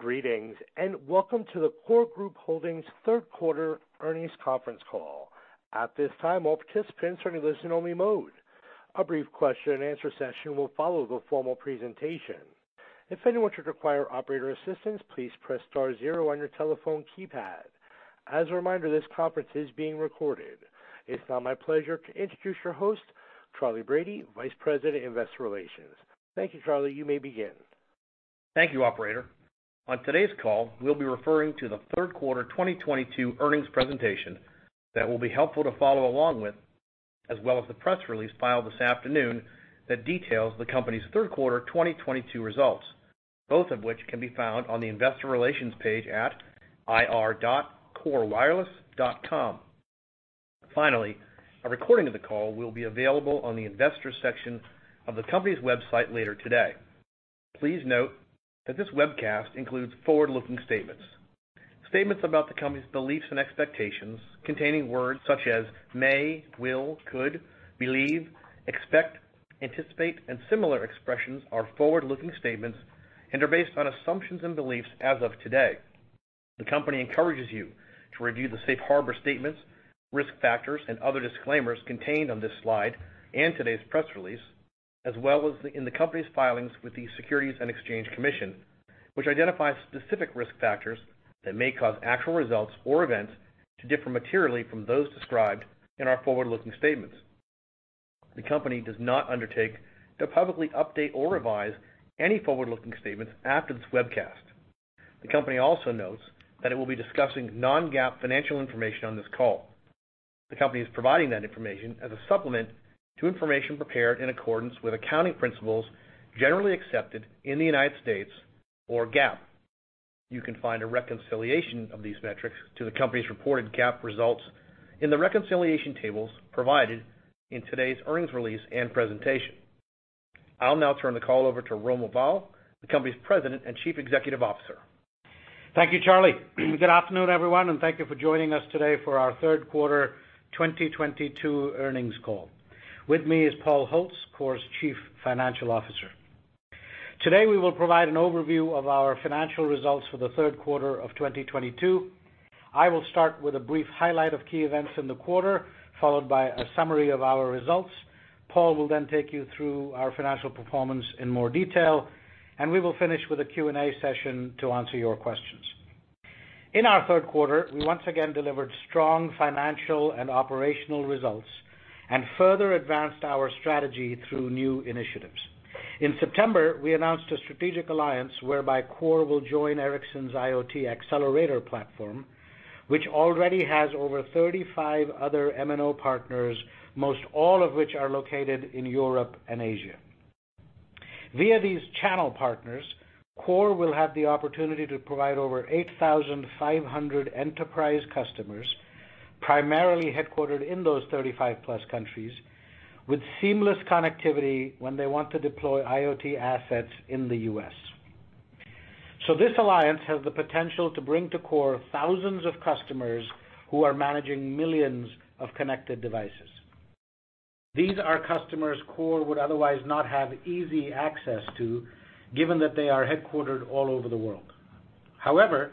Greetings, and welcome to the KORE Group Holdings third quarter earnings conference call. At this time, all participants are in listen-only mode. A brief question-and-answer session will follow the formal presentation. If anyone should require operator assistance, please press star zero on your telephone keypad. As a reminder, this conference is being recorded. It's now my pleasure to introduce your host, Charley Brady, Vice President of Investor Relations. Thank you, Charley. You may begin. Thank you, operator. On today's call, we'll be referring to the third quarter 2022 earnings presentation that will be helpful to follow along with, as well as the press release filed this afternoon that details the company's third quarter 2022 results, both of which can be found on the investor relations page at ir.korewireless.com. Finally, a recording of the call will be available on the investors section of the company's website later today. Please note that this webcast includes forward-looking statements. Statements about the company's beliefs and expectations containing words such as may, will, could, believe, expect, anticipate, and similar expressions are forward-looking statements and are based on assumptions and beliefs as of today. The company encourages you to review the safe harbor statements, risk factors, and other disclaimers contained on this slide and today's press release, as well as in the company's filings with the Securities and Exchange Commission, which identify specific risk factors that may cause actual results or events to differ materially from those described in our forward-looking statements. The company does not undertake to publicly update or revise any forward-looking statements after this webcast. The company also notes that it will be discussing non-GAAP financial information on this call. The company is providing that information as a supplement to information prepared in accordance with accounting principles generally accepted in the United States or GAAP. You can find a reconciliation of these metrics to the company's reported GAAP results in the reconciliation tables provided in today's earnings release and presentation. I'll now turn the call over to Romil Bahl, the company's President and Chief Executive Officer. Thank you, Charley. Good afternoon, everyone, and thank you for joining us today for our third quarter 2022 earnings call. With me is Paul Holtz, KORE's Chief Financial Officer. Today, we will provide an overview of our financial results for the third quarter of 2022. I will start with a brief highlight of key events in the quarter, followed by a summary of our results. Paul will then take you through our financial performance in more detail, and we will finish with a Q&A session to answer your questions. In our third quarter, we once again delivered strong financial and operational results and further advanced our strategy through new initiatives. In September, we announced a strategic alliance whereby KORE will join Ericsson's IoT Accelerator platform, which already has over 35 other MNO partners, most all of which are located in Europe and Asia. Via these channel partners, KORE will have the opportunity to provide over 8,500 enterprise customers, primarily headquartered in those 35+ countries, with seamless connectivity when they want to deploy IoT assets in the U.S. This alliance has the potential to bring to KORE thousands of customers who are managing millions of connected devices. These are customers KORE would otherwise not have easy access to, given that they are headquartered all over the world. However,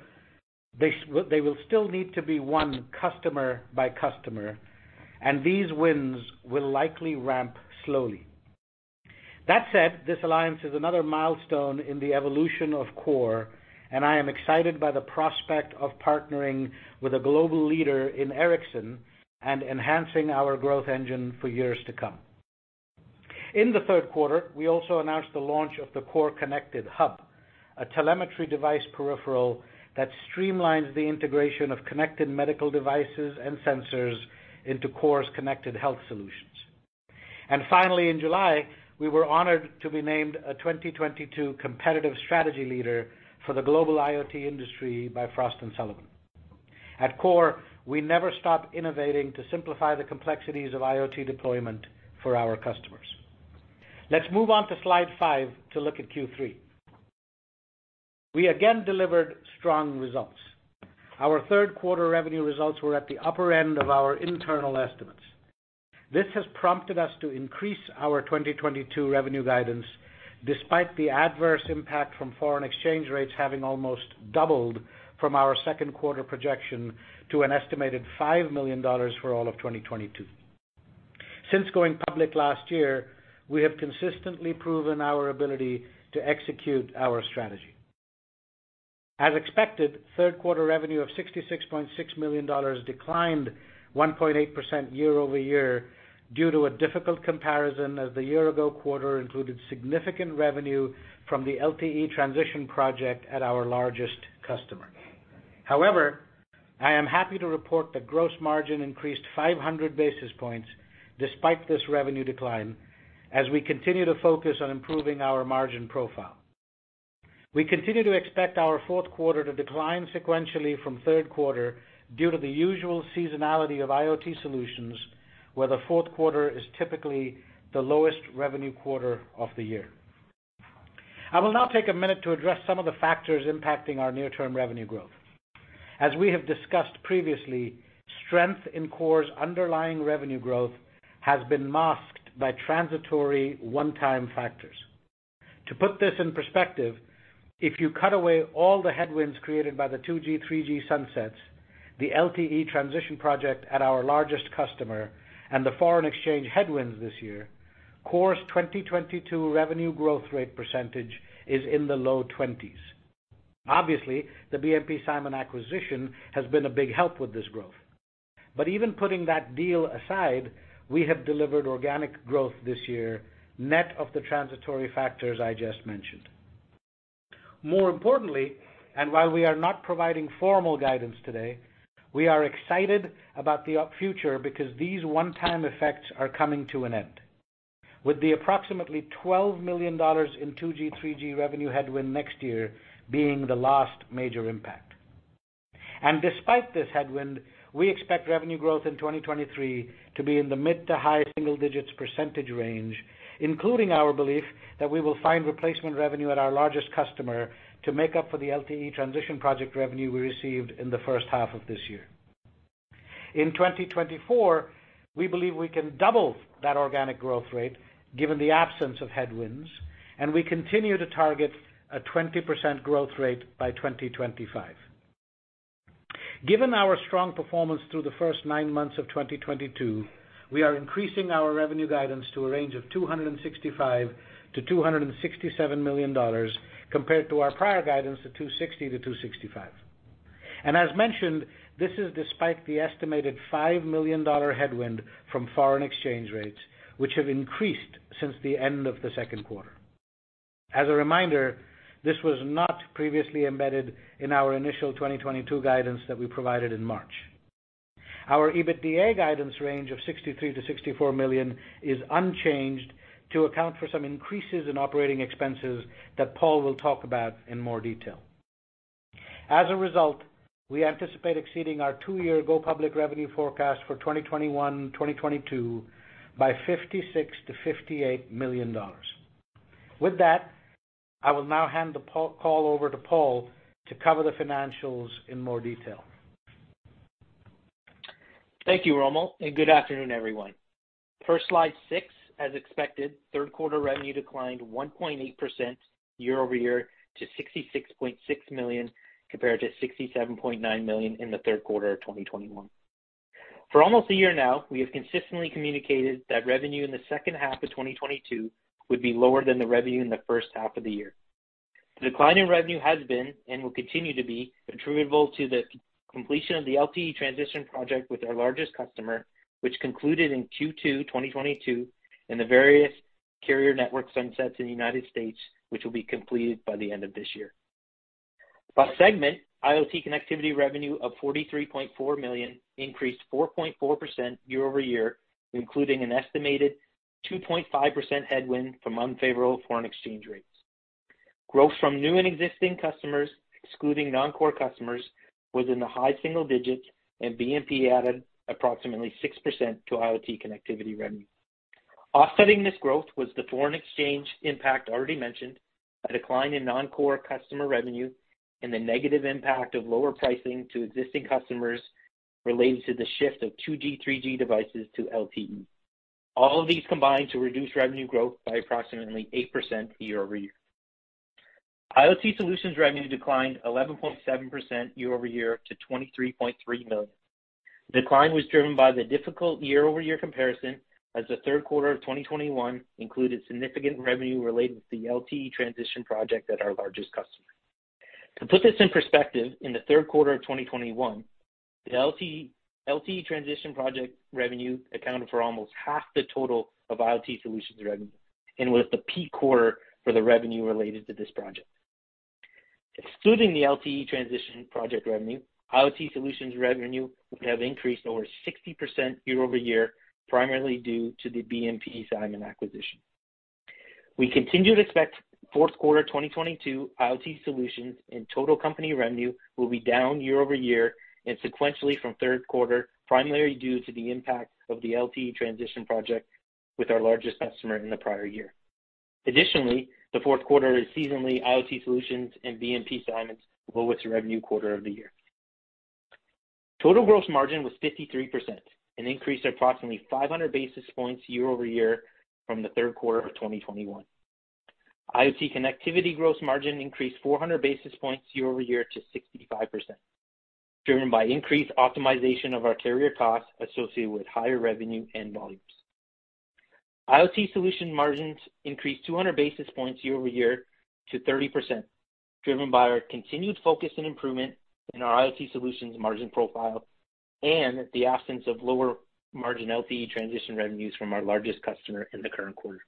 they will still need to be won customer by customer, and these wins will likely ramp slowly. That said, this alliance is another milestone in the evolution of KORE, and I am excited by the prospect of partnering with a global leader in Ericsson and enhancing our growth engine for years to come. In the third quarter, we also announced the launch of the KORE Connected Hub, a telemetry device peripheral that streamlines the integration of connected medical devices and sensors into KORE's connected health solutions. Finally, in July, we were honored to be named a 2022 competitive strategy leader for the global IoT industry by Frost & Sullivan. At KORE, we never stop innovating to simplify the complexities of IoT deployment for our customers. Let's move on to slide 5 to look at Q3. We again delivered strong results. Our third quarter revenue results were at the upper end of our internal estimates. This has prompted us to increase our 2022 revenue guidance despite the adverse impact from foreign exchange rates having almost doubled from our second quarter projection to an estimated $5 million for all of 2022. Since going public last year, we have consistently proven our ability to execute our strategy. As expected, third quarter revenue of $66.6 million declined 1.8% year-over-year due to a difficult comparison as the year ago quarter included significant revenue from the LTE transition project at our largest customer. However, I am happy to report that gross margin increased 500 basis points despite this revenue decline as we continue to focus on improving our margin profile. We continue to expect our fourth quarter to decline sequentially from third quarter due to the usual seasonality of IoT solutions, where the fourth quarter is typically the lowest revenue quarter of the year. I will now take a minute to address some of the factors impacting our near-term revenue growth. As we have discussed previously, strength in KORE's underlying revenue growth has been masked by transitory one-time factors. To put this in perspective, if you cut away all the headwinds created by the 2G, 3G sunsets, the LTE transition project at our largest customer, and the foreign exchange headwinds this year, KORE's 2022 revenue growth rate is in the low 20s%. Obviously, the BMP-Simon acquisition has been a big help with this growth. Even putting that deal aside, we have delivered organic growth this year, net of the transitory factors I just mentioned. More importantly, while we are not providing formal guidance today, we are excited about the future because these one-time effects are coming to an end, with the approximately $12 million in 2G, 3G revenue headwind next year being the last major impact. Despite this headwind, we expect revenue growth in 2023 to be in the mid- to high-single-digits % range, including our belief that we will find replacement revenue at our largest customer to make up for the LTE transition project revenue we received in the first half of this year. In 2024, we believe we can double that organic growth rate given the absence of headwinds, and we continue to target a 20% growth rate by 2025. Given our strong performance through the first nine months of 2022, we are increasing our revenue guidance to a range of $265 million-$267 million compared to our prior guidance of $260 million-$265 million. As mentioned, this is despite the estimated $5 million headwind from foreign exchange rates, which have increased since the end of the second quarter. As a reminder, this was not previously embedded in our initial 2022 guidance that we provided in March. Our EBITDA guidance range of $63 million-$64 million is unchanged to account for some increases in operating expenses that Paul will talk about in more detail. As a result, we anticipate exceeding our two-year go public revenue forecast for 2021, 2022 by $56 million-$58 million. With that, I will now hand the call over to Paul to cover the financials in more detail. Thank you, Romil Bahl, and good afternoon, everyone. Per slide 6, as expected, third quarter revenue declined 1.8% year-over-year to $66.6 million, compared to $67.9 million in the third quarter of 2021. For almost a year now, we have consistently communicated that revenue in the second half of 2022 would be lower than the revenue in the first half of the year. The decline in revenue has been, and will continue to be, attributable to the completion of the LTE transition project with our largest customer, which concluded in Q2 2022, and the various carrier network sunsets in the United States, which will be completed by the end of this year. By segment, IoT connectivity revenue of $43.4 million increased 4.4% year-over-year, including an estimated 2.5% headwind from unfavorable foreign exchange rates. Growth from new and existing customers, excluding non-core customers, was in the high single digits, and BMP added approximately 6% to IoT connectivity revenue. Offsetting this growth was the foreign exchange impact already mentioned, a decline in non-core customer revenue, and the negative impact of lower pricing to existing customers related to the shift of 2G, 3G devices to LTE. All of these combined to reduce revenue growth by approximately 8% year-over-year. IoT solutions revenue declined 11.7% year-over-year to $23.3 million. The decline was driven by the difficult year-over-year comparison as the third quarter of 2021 included significant revenue related to the LTE transition project at our largest customer. To put this in perspective, in the third quarter of 2021, the LTE transition project revenue accounted for almost half the total of IoT solutions revenue and was the peak quarter for the revenue related to this project. Excluding the LTE transition project revenue, IoT solutions revenue would have increased over 60% year-over-year, primarily due to the BMP-Simon acquisition. We continue to expect fourth quarter 2022 IoT solutions and total company revenue will be down year-over-year and sequentially from third quarter, primarily due to the impact of the LTE transition project with our largest customer in the prior year. Additionally, the fourth quarter is seasonally IoT solutions and BMP-Simon's lowest revenue quarter of the year. Total gross margin was 53%, an increase of approximately 500 basis points year-over-year from the third quarter of 2021. IoT connectivity gross margin increased 400 basis points year-over-year to 65%, driven by increased optimization of our carrier costs associated with higher revenue and volumes. IoT solution margins increased 200 basis points year-over-year to 30%, driven by our continued focus and improvement in our IoT solutions margin profile and the absence of lower margin LTE transition revenues from our largest customer in the current quarter.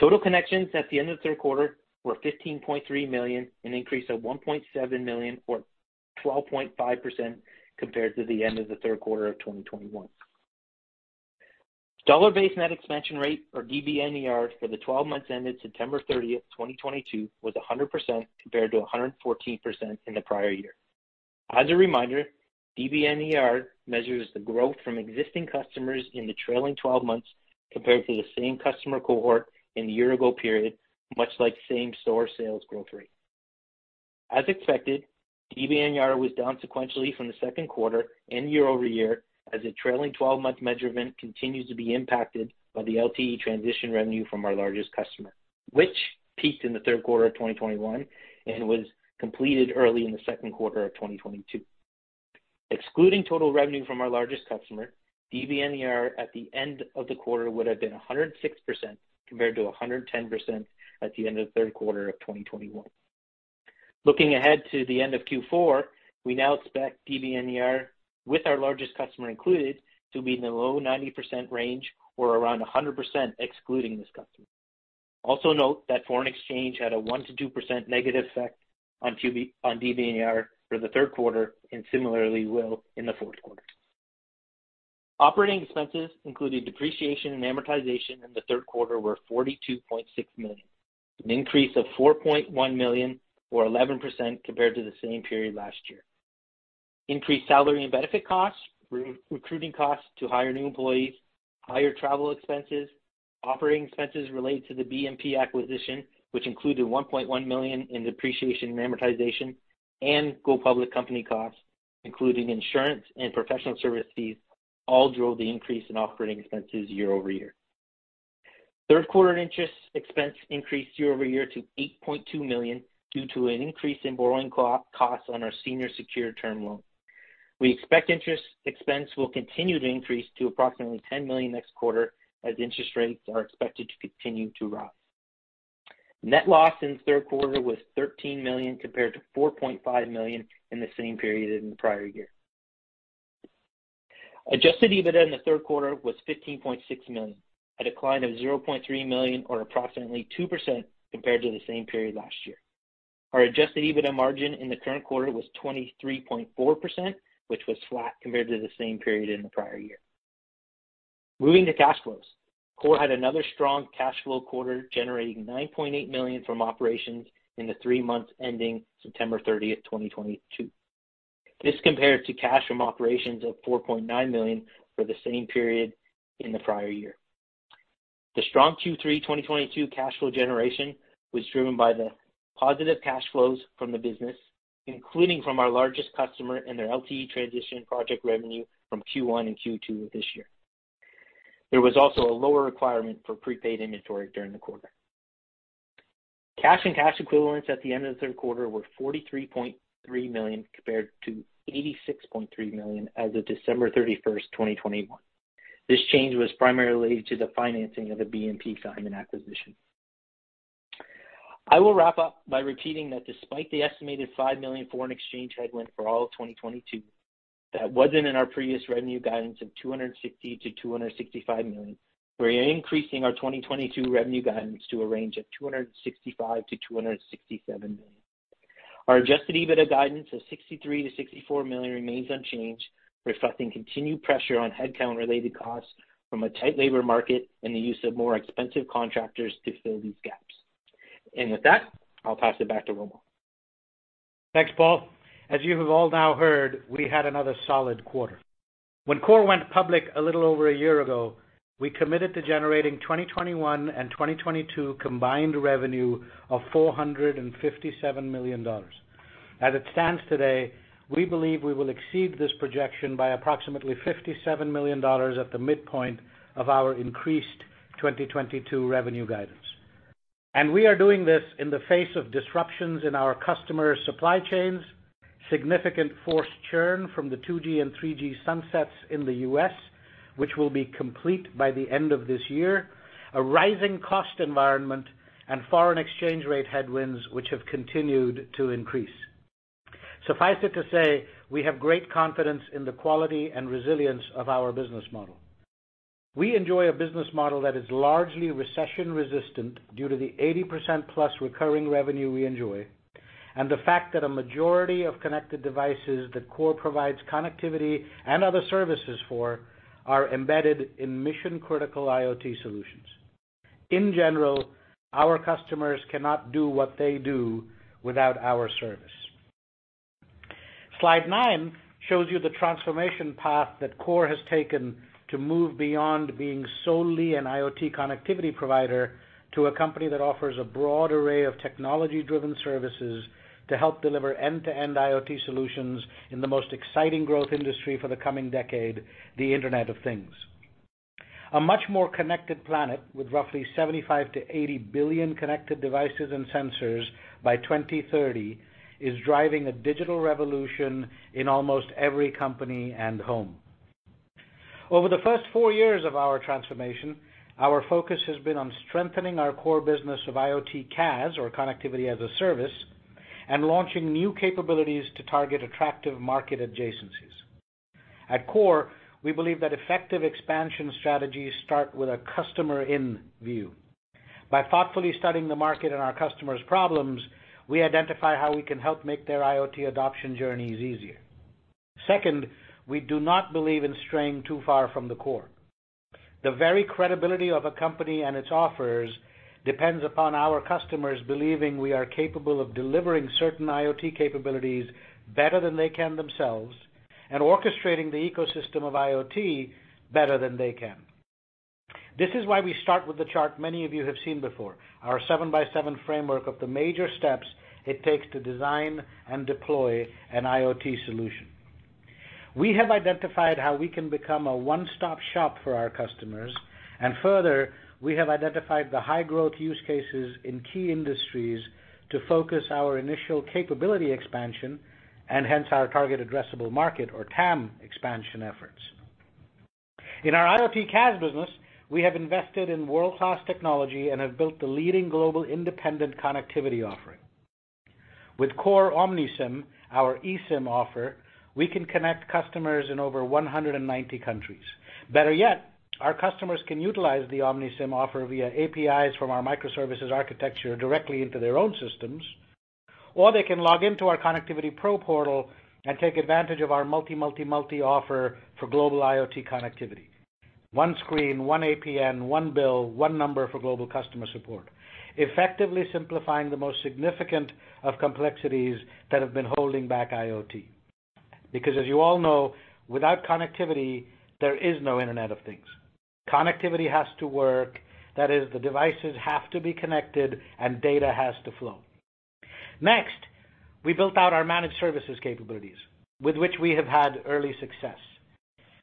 Total connections at the end of the third quarter were 15.3 million, an increase of 1.7 million, or 12.5% compared to the end of the third quarter of 2021. Dollar-based net expansion rate, or DBNER, for the twelve months ended September 30, 2022 was 100% compared to 114% in the prior year. As a reminder, DBNER measures the growth from existing customers in the trailing twelve months compared to the same customer cohort in the year ago period, much like same store sales growth rate. As expected, DBNR was down sequentially from the second quarter and year over year as a trailing twelve-month measurement continues to be impacted by the LTE transition revenue from our largest customer, which peaked in the third quarter of 2021 and was completed early in the second quarter of 2022. Excluding total revenue from our largest customer, DBNR at the end of the quarter would have been 106% compared to 110% at the end of the third quarter of 2021. Looking ahead to the end of Q4, we now expect DBNR with our largest customer included, to be in the low 90% range or around 100% excluding this customer. Also note that foreign exchange had a 1%-2% negative effect on DBNR for the third quarter and similarly will in the fourth quarter. Operating expenses, including depreciation and amortization in the third quarter, were $42.6 million, an increase of $4.1 million or 11% compared to the same period last year. Increased salary and benefit costs, recruiting costs to hire new employees, higher travel expenses, operating expenses related to the BMP acquisition, which included $1.1 million in depreciation and amortization and go public company costs, including insurance and professional service fees, all drove the increase in operating expenses year-over-year. Third quarter interest expense increased year-over-year to $8.2 million due to an increase in borrowing costs on our senior secured term loan. We expect interest expense will continue to increase to approximately $10 million next quarter as interest rates are expected to continue to rise. Net loss in the third quarter was $13 million compared to $4.5 million in the same period in the prior year. Adjusted EBITDA in the third quarter was $15.6 million, a decline of $0.3 million or approximately 2% compared to the same period last year. Our adjusted EBITDA margin in the current quarter was 23.4%, which was flat compared to the same period in the prior year. Moving to cash flows. KORE had another strong cash flow quarter, generating $9.8 million from operations in the three months ending September 30, 2022. This compared to cash from operations of $4.9 million for the same period in the prior year. The strong Q3 2022 cash flow generation was driven by the positive cash flows from the business, including from our largest customer and their LTE transition project revenue from Q1 and Q2 of this year. There was also a lower requirement for prepaid inventory during the quarter. Cash and cash equivalents at the end of the third quarter were $43.3 million, compared to $86.3 million as of December 31, 2021. This change was primarily due to the financing of the BMP-Simon acquisition. I will wrap up by repeating that despite the estimated $5 million foreign exchange headwind for all of 2022, that wasn't in our previous revenue guidance of $260 million-$265 million. We are increasing our 2022 revenue guidance to a range of $265 million-$267 million. Our adjusted EBITDA guidance of $63 million-$64 million remains unchanged, reflecting continued pressure on headcount-related costs from a tight labor market and the use of more expensive contractors to fill these gaps. With that, I'll pass it back to Romil. Thanks, Paul. As you have all now heard, we had another solid quarter. When KORE went public a little over a year ago, we committed to generating 2021 and 2022 combined revenue of $457 million. As it stands today, we believe we will exceed this projection by approximately $57 million at the midpoint of our increased 2022 revenue guidance. We are doing this in the face of disruptions in our customer supply chains, significant forced churn from the 2G and 3G sunsets in the U.S., which will be complete by the end of this year, a rising cost environment and foreign exchange rate headwinds which have continued to increase. Suffice it to say, we have great confidence in the quality and resilience of our business model. We enjoy a business model that is largely recession resistant due to the 80% plus recurring revenue we enjoy, and the fact that a majority of connected devices that KORE provides connectivity and other services for are embedded in mission-critical IoT solutions. In general, our customers cannot do what they do without our service. Slide 9 shows you the transformation path that KORE has taken to move beyond being solely an IoT connectivity provider to a company that offers a broad array of technology-driven services to help deliver end-to-end IoT solutions in the most exciting growth industry for the coming decade, the Internet of Things. A much more connected planet with roughly 75-80 billion connected devices and sensors by 2030 is driving a digital revolution in almost every company and home. Over the first four years of our transformation, our focus has been on strengthening our core business of IoT CaaS or connectivity as a service, and launching new capabilities to target attractive market adjacencies. At KORE, we believe that effective expansion strategies start with a customer in view. By thoughtfully studying the market and our customers' problems, we identify how we can help make their IoT adoption journeys easier. Second, we do not believe in straying too far from the KORE. The very credibility of a company and its offers depends upon our customers believing we are capable of delivering certain IoT capabilities better than they can themselves and orchestrating the ecosystem of IoT better than they can. This is why we start with the chart many of you have seen before, our seven-by-seven framework of the major steps it takes to design and deploy an IoT solution. We have identified how we can become a one-stop shop for our customers, and further, we have identified the high growth use cases in key industries to focus our initial capability expansion and hence our target addressable market or TAM expansion efforts. In our IoT CaaS business, we have invested in world-class technology and have built the leading global independent connectivity offering. With KORE OmniSIM, our eSIM offer, we can connect customers in over 190 countries. Better yet, our customers can utilize the OmniSIM offer via APIs from our microservices architecture directly into their own systems, or they can log in to our ConnectivityPro portal and take advantage of our multi offer for global IoT connectivity. One screen, one APN, one bill, one number for global customer support, effectively simplifying the most significant of complexities that have been holding back IoT. Because as you all know, without connectivity, there is no Internet of Things. Connectivity has to work, that is, the devices have to be connected and data has to flow. Next, we built out our managed services capabilities with which we have had early success.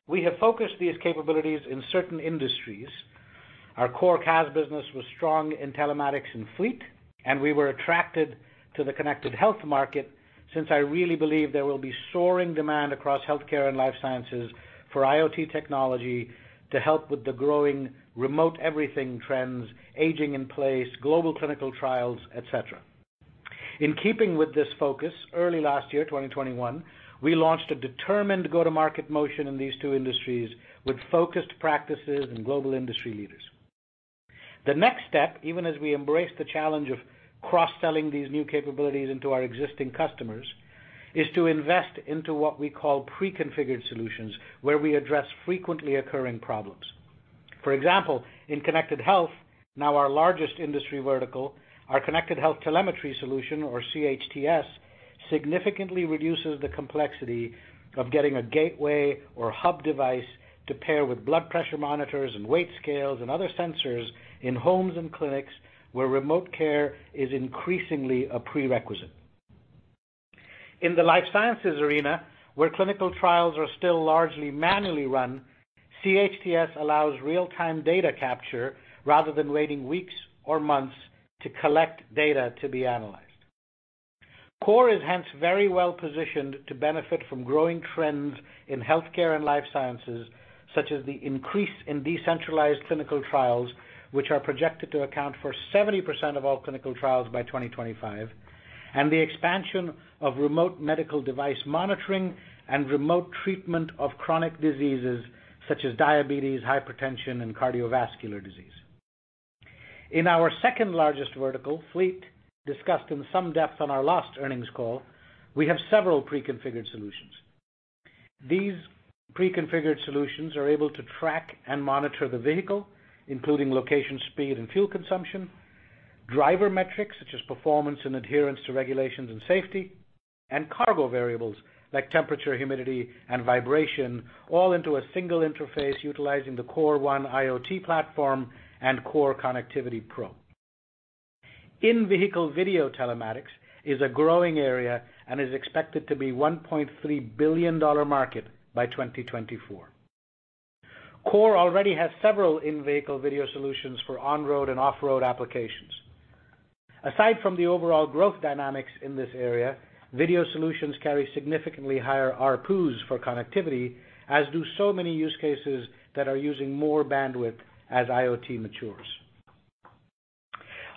We have focused these capabilities in certain industries. Our KORE CaaS business was strong in telematics and fleet, and we were attracted to the connected health market since I really believe there will be soaring demand across healthcare and life sciences for IoT technology to help with the growing remote everything trends, aging in place, global clinical trials, et cetera. In keeping with this focus, early last year, 2021, we launched a determined go-to-market motion in these two industries with focused practices and global industry leaders. The next step, even as we embrace the challenge of cross-selling these new capabilities into our existing customers, is to invest into what we call preconfigured solutions, where we address frequently occurring problems. For example, in connected health, now our largest industry vertical, our Connected Health Telemetry Solution, or CHTS, significantly reduces the complexity of getting a gateway or hub device to pair with blood pressure monitors and weight scales and other sensors in homes and clinics where remote care is increasingly a prerequisite. In the life sciences arena, where clinical trials are still largely manually run, CHTS allows real-time data capture rather than waiting weeks or months to collect data to be analyzed. KORE is hence very well-positioned to benefit from growing trends in healthcare and life sciences, such as the increase in decentralized clinical trials, which are projected to account for 70% of all clinical trials by 2025, and the expansion of remote medical device monitoring and remote treatment of chronic diseases such as diabetes, hypertension, and cardiovascular disease. In our second-largest vertical, fleet, discussed in some depth on our last earnings call, we have several preconfigured solutions. These preconfigured solutions are able to track and monitor the vehicle, including location, speed, and fuel consumption, driver metrics such as performance and adherence to regulations and safety, and cargo variables like temperature, humidity, and vibration, all into a single interface utilizing the KORE One IoT platform and KORE ConnectivityPro. In-vehicle video telematics is a growing area and is expected to be $1.3 billion dollar market by 2024. KORE already has several in-vehicle video solutions for on-road and off-road applications. Aside from the overall growth dynamics in this area, video solutions carry significantly higher ARPU for connectivity, as do so many use cases that are using more bandwidth as IoT matures.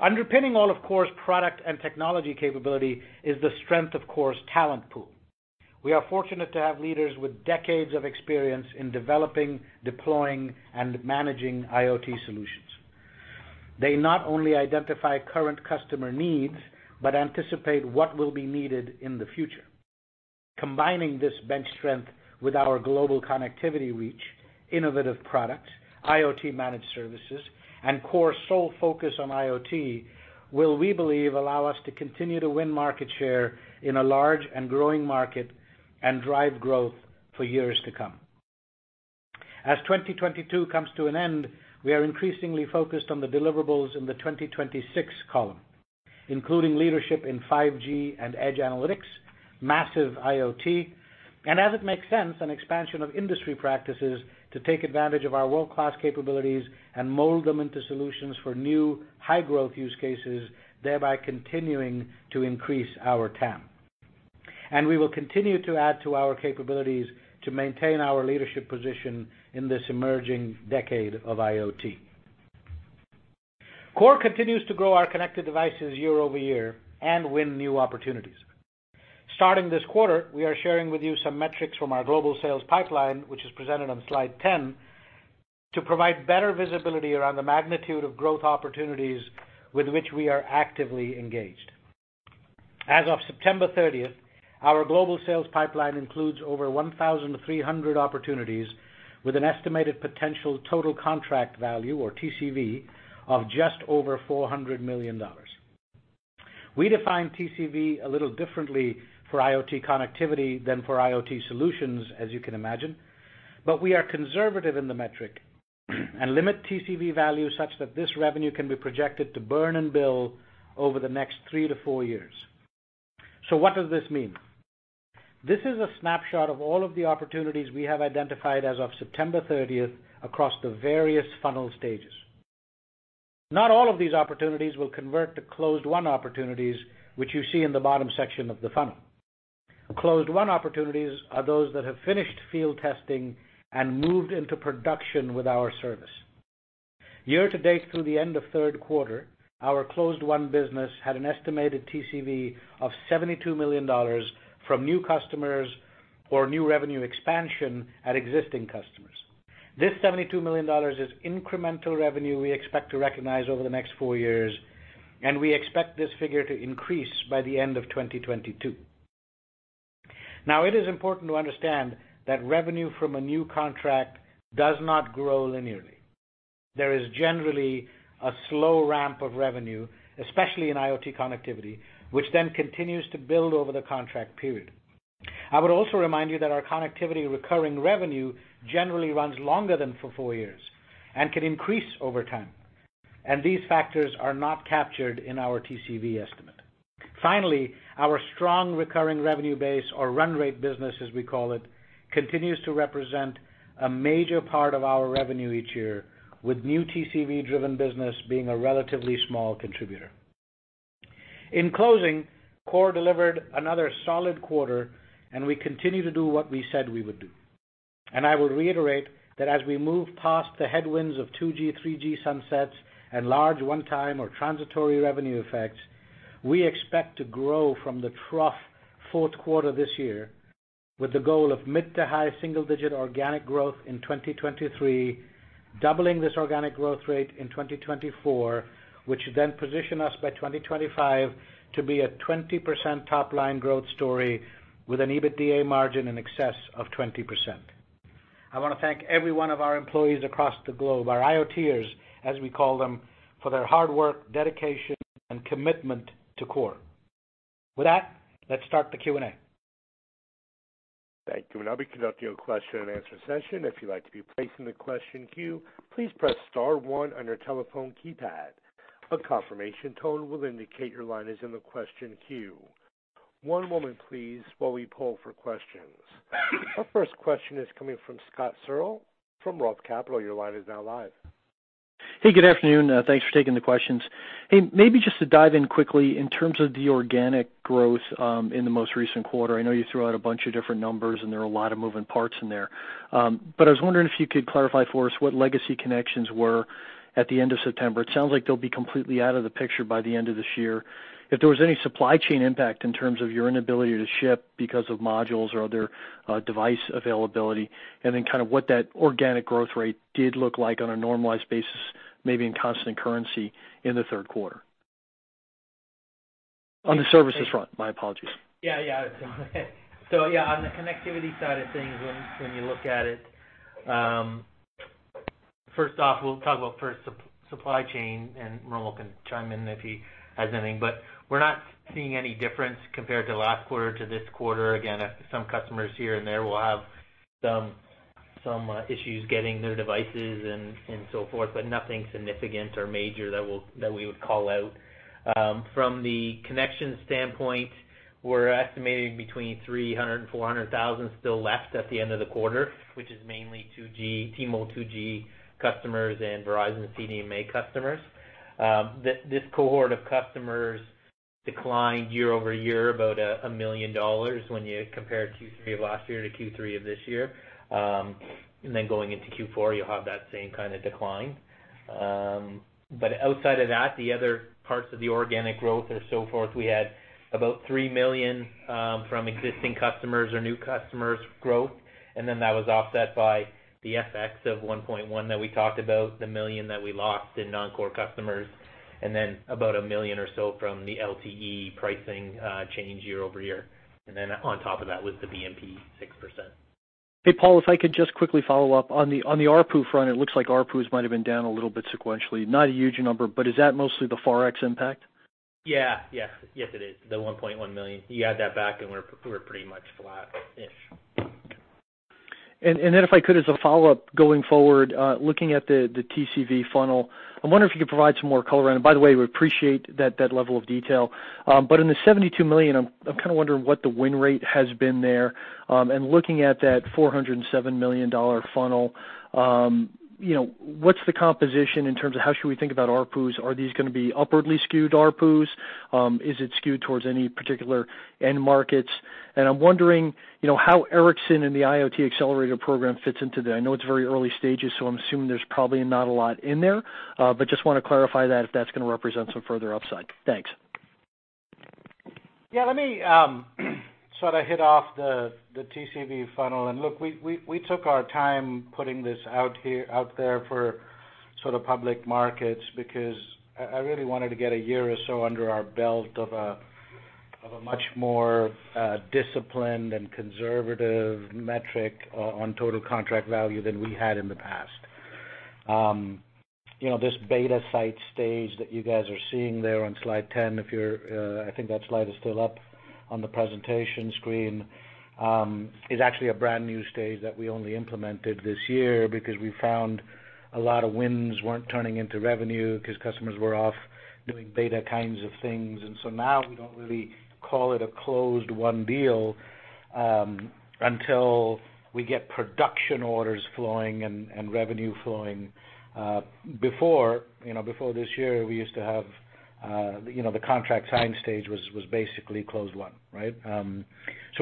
Underpinning all of KORE's product and technology capability is the strength of KORE's talent pool. We are fortunate to have leaders with decades of experience in developing, deploying, and managing IoT solutions. They not only identify current customer needs but anticipate what will be needed in the future. Combining this bench strength with our global connectivity reach, innovative products, IoT managed services, and KORE's sole focus on IoT will, we believe, allow us to continue to win market share in a large and growing market and drive growth for years to come. As 2022 comes to an end, we are increasingly focused on the deliverables in the 2026 column, including leadership in 5G and edge analytics, massive IoT, and as it makes sense, an expansion of industry practices to take advantage of our world-class capabilities and mold them into solutions for new high-growth use cases, thereby continuing to increase our TAM. We will continue to add to our capabilities to maintain our leadership position in this emerging decade of IoT. KORE continues to grow our connected devices year-over-year and win new opportunities. Starting this quarter, we are sharing with you some metrics from our global sales pipeline, which is presented on slide 10, to provide better visibility around the magnitude of growth opportunities with which we are actively engaged. As of September 30, our global sales pipeline includes over 1,300 opportunities with an estimated potential total contract value or TCV of just over $400 million. We define TCV a little differently for IoT connectivity than for IoT solutions, as you can imagine. We are conservative in the metric and limit TCV value such that this revenue can be projected to earn and build over the next 3-4 years. What does this mean? This is a snapshot of all of the opportunities we have identified as of September 30 across the various funnel stages. Not all of these opportunities will convert to closed one opportunities, which you see in the bottom section of the funnel. Closed one opportunities are those that have finished field testing and moved into production with our service. Year to date through the end of third quarter, our closed one business had an estimated TCV of $72 million from new customers or new revenue expansion at existing customers. This $72 million is incremental revenue we expect to recognize over the next four years, and we expect this figure to increase by the end of 2022. Now, it is important to understand that revenue from a new contract does not grow linearly. There is generally a slow ramp of revenue, especially in IoT connectivity, which then continues to build over the contract period. I would also remind you that our connectivity recurring revenue generally runs longer than four years and can increase over time, and these factors are not captured in our TCV estimate. Finally, our strong recurring revenue base or run rate business, as we call it, continues to represent a major part of our revenue each year, with new TCV-driven business being a relatively small contributor. In closing, KORE delivered another solid quarter and we continue to do what we said we would do. I will reiterate that as we move past the headwinds of 2G, 3G sunsets and large one-time or transitory revenue effects, we expect to grow from the trough fourth quarter this year with the goal of mid to high single-digit organic growth in 2023, doubling this organic growth rate in 2024, which then position us by 2025 to be a 20% top-line growth story with an EBITDA margin in excess of 20%. I want to thank every one of our employees across the globe, our IoTers, as we call them, for their hard work, dedication, and commitment to KORE. With that, let's start the Q&A. Thank you. We'll now be conducting a question and answer session. If you'd like to be placed in the question queue, please press star one on your telephone keypad. A confirmation tone will indicate your line is in the question queue. One moment, please, while we poll for questions. Our first question is coming from Scott Searle from Roth Capital. Your line is now live. Hey, good afternoon. Thanks for taking the questions. Hey, maybe just to dive in quickly in terms of the organic growth in the most recent quarter. I know you threw out a bunch of different numbers, and there are a lot of moving parts in there. But I was wondering if you could clarify for us what legacy connections were at the end of September. It sounds like they'll be completely out of the picture by the end of this year. If there was any supply chain impact in terms of your inability to ship because of modules or other device availability, and then kind of what that organic growth rate did look like on a normalized basis, maybe in constant currency in the third quarter. On the services front, my apologies. On the connectivity side of things, when you look at it, first off, we'll talk about supply chain, and Romil Bahl can chime in if he has anything. We're not seeing any difference compared from last quarter to this quarter. Again, some customers here and there will have some issues getting new devices and so forth, but nothing significant or major that we would call out. From the connectivity standpoint, we're estimating between 300 and 400 thousand still left at the end of the quarter, which is mainly 2G, T-Mobile 2G customers and Verizon CDMA customers. This cohort of customers declined year-over-year about $1 million when you compare Q3 of last year to Q3 of this year. Going into Q4, you'll have that same kind of decline. Outside of that, the other parts of the organic growth and so forth, we had about $3 million from existing customers or new customers growth, and then that was offset by the FX of $1.1 million that we talked about, $1 million that we lost in non-core customers, and then about $1 million or so from the LTE pricing change year-over-year. On top of that was the BMP 6%. Hey, Paul, if I could just quickly follow up. On the ARPU front, it looks like ARPUs might have been down a little bit sequentially, not a huge number, but is that mostly the ForEx impact? Yeah. Yes. Yes, it is. The $1.1 million. You add that back, and we're pretty much flat-ish. Then if I could, as a follow-up, going forward, looking at the TCV funnel, I'm wondering if you could provide some more color. By the way, we appreciate that level of detail. But in the $72 million, I'm kinda wondering what the win rate has been there. Looking at that $407 million funnel, you know, what's the composition in terms of how should we think about ARPUs? Are these gonna be upwardly skewed ARPUs? Is it skewed towards any particular end markets? I'm wondering, you know, how Ericsson and the IoT Accelerator program fits into that. I know it's very early stages, so I'm assuming there's probably not a lot in there, but just wanna clarify that if that's gonna represent some further upside. Thanks. Yeah, let me sort of hit off the TCV funnel. Look, we took our time putting this out there for sort of public markets because I really wanted to get a year or so under our belt of a much more disciplined and conservative metric on total contract value than we had in the past. You know, this beta site stage that you guys are seeing there on slide 10, if you're, I think that slide is still up on the presentation screen, is actually a brand new stage that we only implemented this year because we found a lot of wins weren't turning into revenue because customers were off doing beta kinds of things. Now we don't really call it a closed-won deal until we get production orders flowing and revenue flowing. Before, you know, before this year we used to have, you know, the contract signed stage was basically closed-won, right?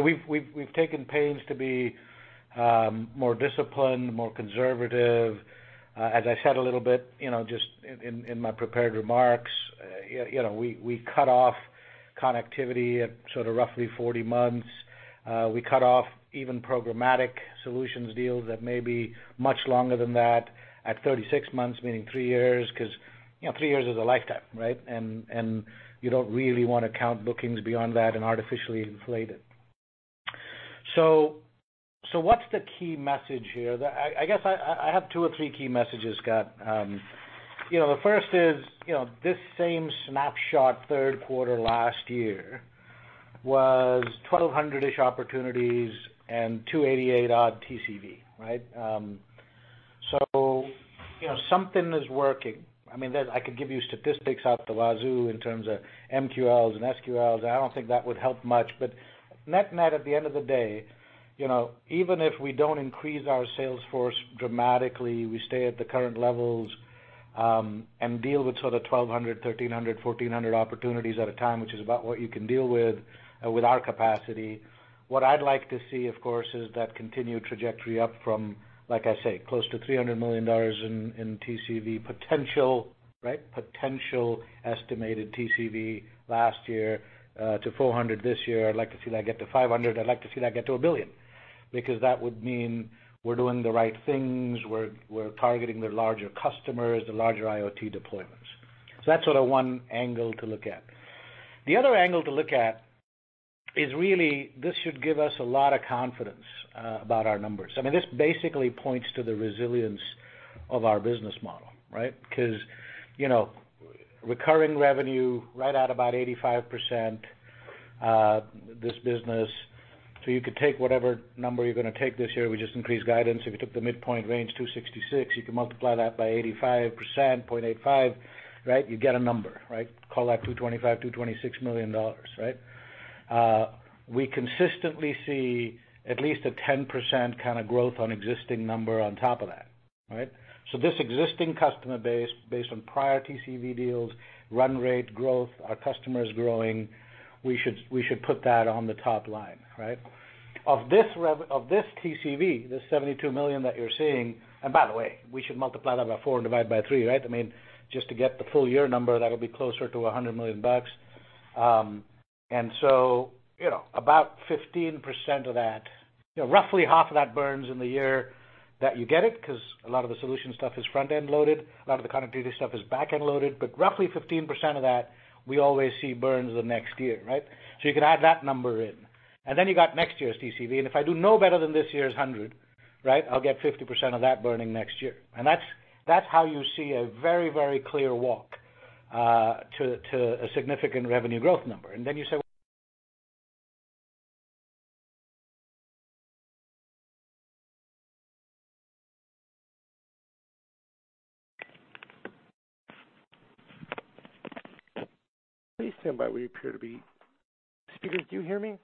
We've taken pains to be more disciplined, more conservative. As I said a little bit, you know, just in my prepared remarks, you know, we cut off connectivity at sort of roughly 40 months. We cut off even programmatic solutions deals that may be much longer than that at 36 months, meaning 3 years, 'cause, you know, 3 years is a lifetime, right? You don't really want to count bookings beyond that and artificially inflate it. What's the key message here? I guess I have two or three key messages, Scott. You know, the first is, you know, this same snapshot third quarter last year was 1,200-ish opportunities and 288 odd TCV, right? So, you know, something is working. I mean, I could give you statistics out the wazoo in terms of MQLs and SQLs. I don't think that would help much. Net-net at the end of the day, you know, even if we don't increase our sales force dramatically, we stay at the current levels, and deal with sort of 1,200, 1,300, 1,400 opportunities at a time, which is about what you can deal with our capacity. What I'd like to see, of course, is that continued trajectory up from, like I say, close to $300 million in TCV potential, right? Potential estimated TCV last year to $400 this year. I'd like to see that get to $500. I'd like to see that get to $1 billion, because that would mean we're doing the right things. We're targeting the larger customers, the larger IoT deployments. That's sort of one angle to look at. The other angle to look at is really this should give us a lot of confidence about our numbers. I mean, this basically points to the resilience of our business model, right? Because, you know, recurring revenue right at about 85% this business. You could take whatever number you're gonna take this year, we just increased guidance. If you took the midpoint range, $266, you can multiply that by 85%, 0.85, right? You get a number, right? Call that $225 million-$226 million, right? We consistently see at least 10% kind of growth on existing number on top of that, right? This existing customer base, based on prior TCV deals, run rate growth, our customers growing, we should put that on the top line, right? Of this TCV, this $72 million that you're seeing, and by the way, we should multiply that by four and divide by three, right? I mean, just to get the full year number, that'll be closer to $100 million bucks. You know, about 15% of that, you know, roughly half of that burns in the year that you get it, 'cause a lot of the solution stuff is front-end loaded, a lot of the connectivity stuff is back-end loaded. Roughly 15% of that we always see burns the next year, right? You can add that number in. Then you got next year's TCV, and if I do no better than this year's 100, right, I'll get 50% of that burning next year. That's how you see a very, very clear walk to a significant revenue growth number. Then you say- Please stand by. Speakers, do you hear me?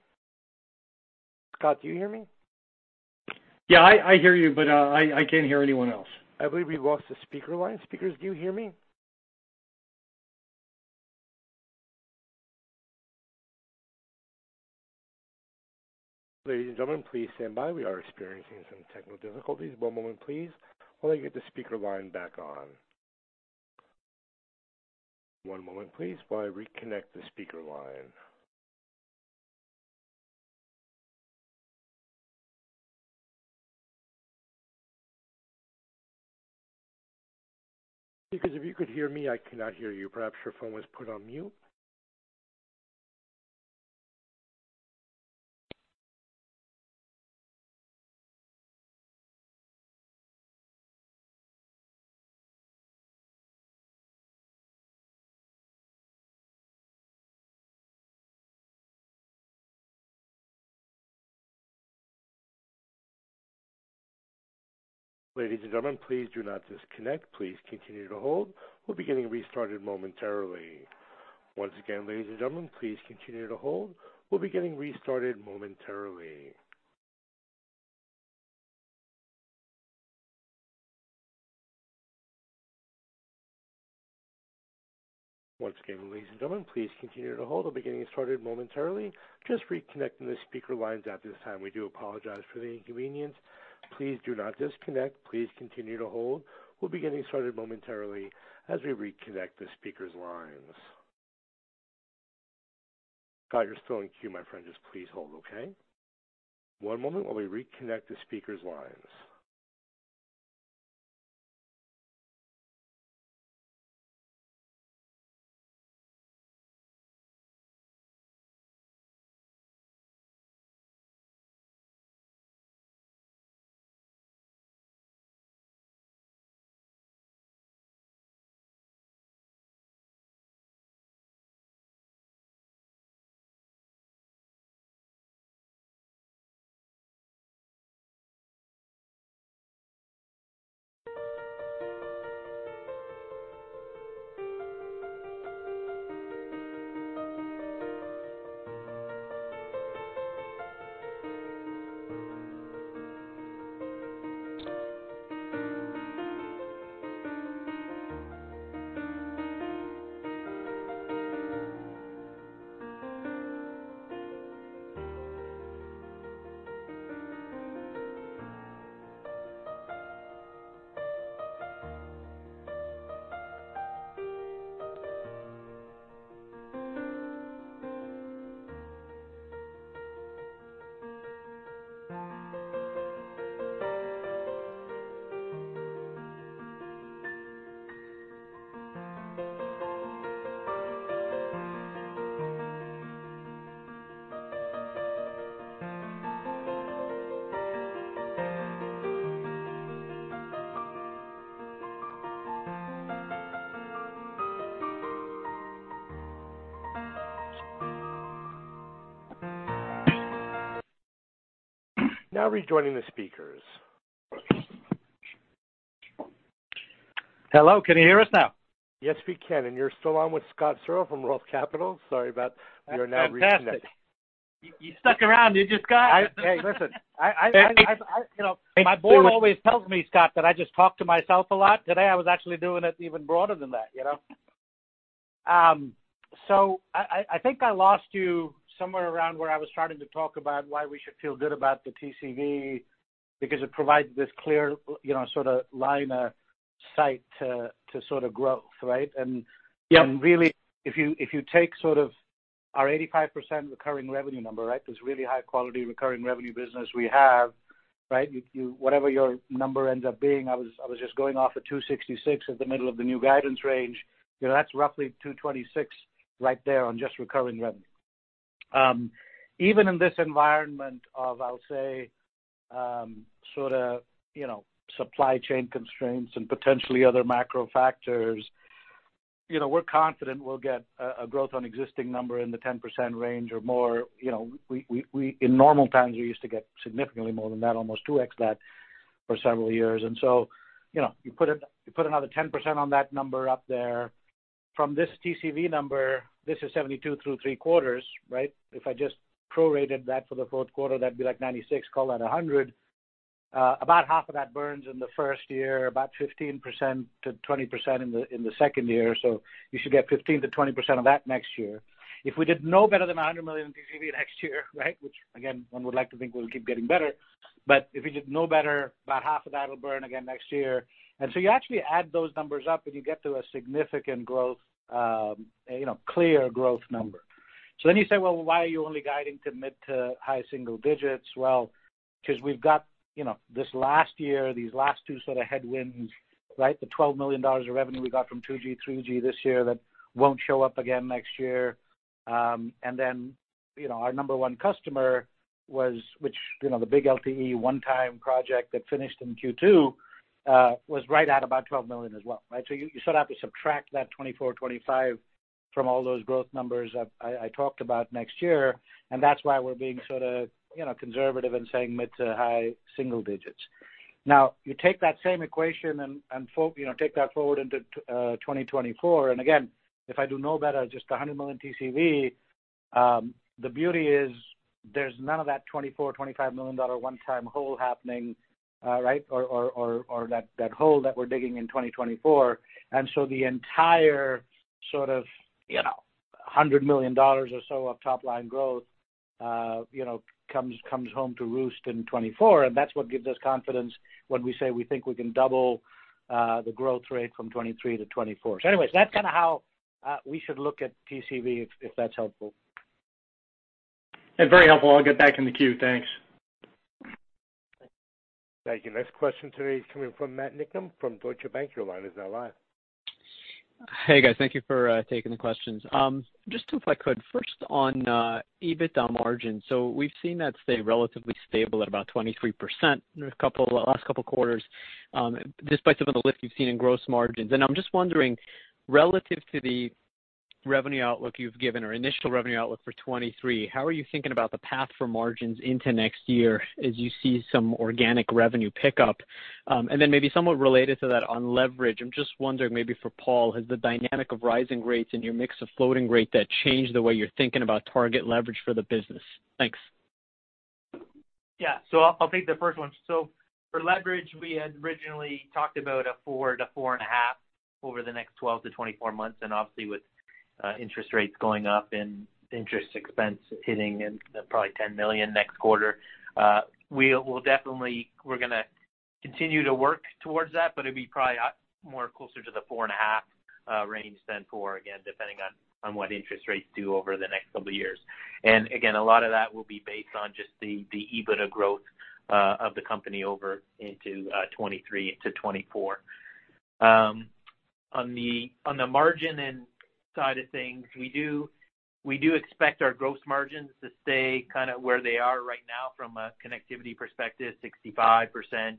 Scott, do you hear me? Yeah, I hear you, but I can't hear anyone else. I believe we lost the speaker line. Speakers, do you hear me? Ladies and gentlemen, please stand by. We are experiencing some technical difficulties. One moment please, while I get the speaker line back on. One moment please, while I reconnect the speaker line. Speakers, if you could hear me, I cannot hear you. Perhaps your phone was put on mute. Ladies and gentlemen, please do not disconnect. Please continue to hold. We'll be getting restarted momentarily. Once again, ladies and gentlemen, please continue to hold. We'll be getting restarted momentarily. Once again, ladies and gentlemen, please continue to hold. We'll be getting started momentarily. Just reconnecting the speaker lines at this time. We do apologize for the inconvenience. Please do not disconnect. Please continue to hold. We'll be getting started momentarily as we reconnect the speakers' lines. Scott, you're still in queue, my friend. Just please hold, okay? One moment while we reconnect the speakers' lines. Now rejoining the speakers. Hello, can you hear us now? Yes, we can. You're still on with Scott Searle from Roth Capital. We are now reconnected. That's fantastic. You stuck around, you just got- Hey, listen. I, you know, my board always tells me, Scott, that I just talk to myself a lot. Today, I was actually doing it even broader than that, you know? I think I lost you somewhere around where I was starting to talk about why we should feel good about the TCV because it provides this clear, you know, sort of line of sight to sort of growth, right? Yeah. Really, if you take sort of our 85% recurring revenue number, right? This really high-quality recurring revenue business we have, right? Whatever your number ends up being, I was just going off of $266 as the middle of the new guidance range. You know, that's roughly $226 right there on just recurring revenue. Even in this environment of, I'll say, sort of, you know, supply chain constraints and potentially other macro factors, you know, we're confident we'll get a growth on existing number in the 10% range or more. You know, in normal times, we used to get significantly more than that, almost 2x that for several years. You know, you put another 10% on that number up there. From this TCV number, this is $72 million through three quarters, right? If I just prorated that for the fourth quarter, that'd be like $96 million, call that $100 million. About half of that burns in the first year, about 15%-20% in the second year. You should get 15%-20% of that next year. If we did no better than $100 million in TCV next year, right, which again, one would like to think we'll keep getting better, but if we did no better, about half of that will burn again next year. You actually add those numbers up, and you get to a significant growth, clear growth number. You say, "Well, why are you only guiding to mid- to high-single digits%?" Well, because we've got, you know, this last year, these last two sort of headwinds, right? The $12 million of revenue we got from 2G, 3G this year, that won't show up again next year. And then, you know, our number one customer was, which, you know, the big LTE one-time project that finished in Q2, was right at about $12 million as well, right? So you sort of have to subtract that $24 million-$25 million from all those growth numbers I talked about next year, and that's why we're being sort of, you know, conservative and saying mid- to high-single digits%. Now, you take that same equation and you know, take that forward into 2024. Again, if I do no better, just 100 million TCV, the beauty is there's none of that $24 million-$25 million one-time hole happening, right? Or that hole that we're digging in 2024. The entire sort of, you know, $100 million or so of top-line growth, you know, comes home to roost in 2024. That's what gives us confidence when we say we think we can double the growth rate from 2023-2024. Anyways, that's kind of how we should look at TCV if that's helpful. Yeah, very helpful. I'll get back in the queue. Thanks. Thank you. Next question today is coming from Matthew Niknam from Deutsche Bank. Your line is now live. Hey, guys. Thank you for taking the questions. Just two if I could. First on EBITDA margin. So we've seen that stay relatively stable at about 23% last couple quarters, despite some of the lift you've seen in gross margins. I'm just wondering, relative to the revenue outlook you've given or initial revenue outlook for 2023, how are you thinking about the path for margins into next year as you see some organic revenue pickup? Maybe somewhat related to that on leverage. I'm just wondering maybe for Paul, has the dynamic of rising rates in your mix of floating rate debt changed the way you're thinking about target leverage for the business? Thanks. Yeah. I'll take the first one. For leverage, we had originally talked about 4-4.5 over the next 12-24 months, and obviously with interest rates going up and interest expense hitting in probably $10 million next quarter, we're gonna continue to work towards that, but it'd be probably more closer to the 4.5 range than 4, again, depending on what interest rates do over the next couple of years. A lot of that will be based on just the EBITDA growth of the company over into 2023 into 2024. On the margin end side of things, we do expect our gross margins to stay kinda where they are right now from a connectivity perspective, 65%.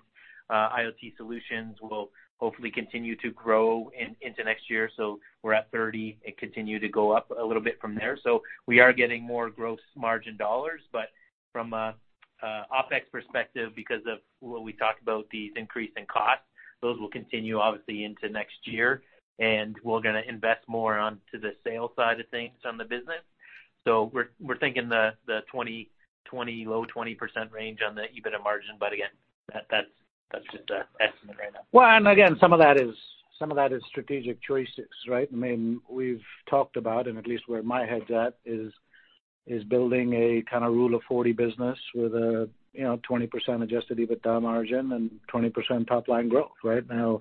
IoT solutions will hopefully continue to grow into next year, we're at 30 and continue to go up a little bit from there. We are getting more gross margin dollars. From an OpEx perspective, because of what we talked about, these increasing costs, those will continue obviously into next year, and we're gonna invest more onto the sales side of things on the business. We're thinking the low 20% range on the EBITDA margin, but again, that's just an estimate right now. Well, again, some of that is strategic choices, right? I mean, we've talked about, and at least where my head's at is building a kind of Rule of 40 business with a, you know, 20% adjusted EBITDA margin and 20% top line growth, right? Now,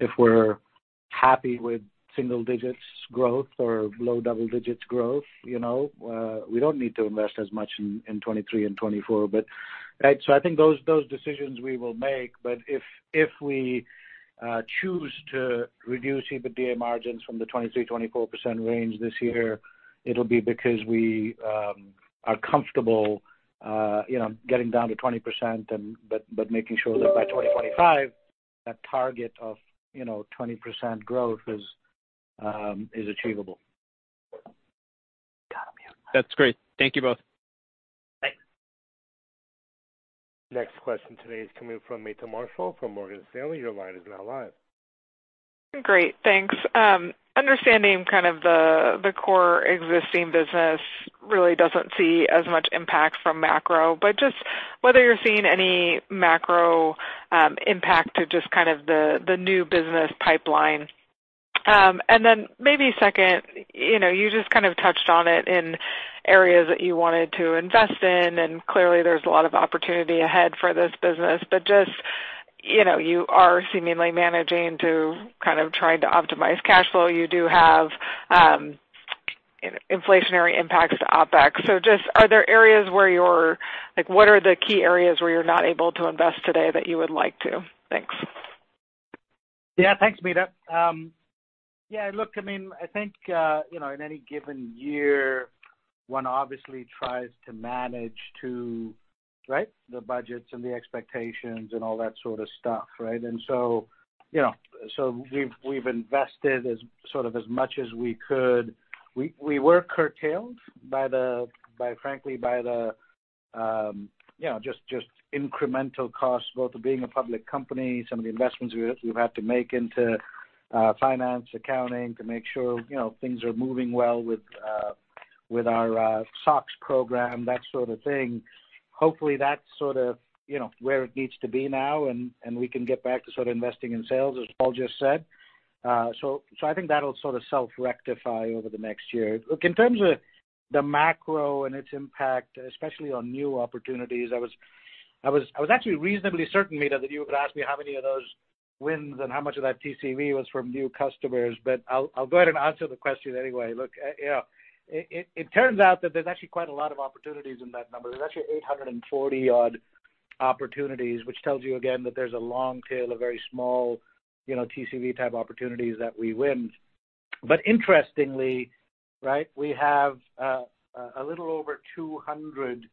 if we're happy with single digits growth or low double digits growth, you know, we don't need to invest as much in 2023 and 2024. Right? I think those decisions we will make. If we choose to reduce EBITDA margins from the 23%-24% range this year, it'll be because we are comfortable, you know, getting down to 20% but making sure that by 2025, that target of, you know, 20% growth is achievable. That's great. Thank you both. Thanks. Next question today is coming from Meta Marshall from Morgan Stanley. Your line is now live. Great. Thanks. Understanding kind of the core existing business really doesn't see as much impact from macro, but just whether you're seeing any macro impact to just kind of the new business pipeline. Maybe second, you know, you just kind of touched on it in areas that you wanted to invest in, and clearly there's a lot of opportunity ahead for this business. Just, you know, you are seemingly managing to kind of trying to optimize cash flow. You do have inflationary impacts to OpEx. Are there areas where you're like, what are the key areas where you're not able to invest today that you would like to? Thanks. Yeah. Thanks, Meta. Yeah, look, I mean, I think, you know, in any given year, one obviously tries to manage to, right, the budgets and the expectations and all that sort of stuff, right? You know, so we've invested as sort of as much as we could. We were curtailed by, frankly, by the, you know, just incremental costs, both of being a public company, some of the investments we've had to make into finance, accounting to make sure, you know, things are moving well with our SOX program, that sort of thing. Hopefully, that's sort of, you know, where it needs to be now, and we can get back to sort of investing in sales, as Paul just said. I think that'll sort of self-rectify over the next year. Look, in terms of the macro and its impact, especially on new opportunities, I was actually reasonably certain, Meta, that you would ask me how many of those wins and how much of that TCV was from new customers, but I'll go ahead and answer the question anyway. Look, you know, it turns out that there's actually quite a lot of opportunities in that number. There's actually 840-odd opportunities, which tells you again that there's a long tail of very small, you know, TCV type opportunities that we win. But interestingly, right, we have a little over 200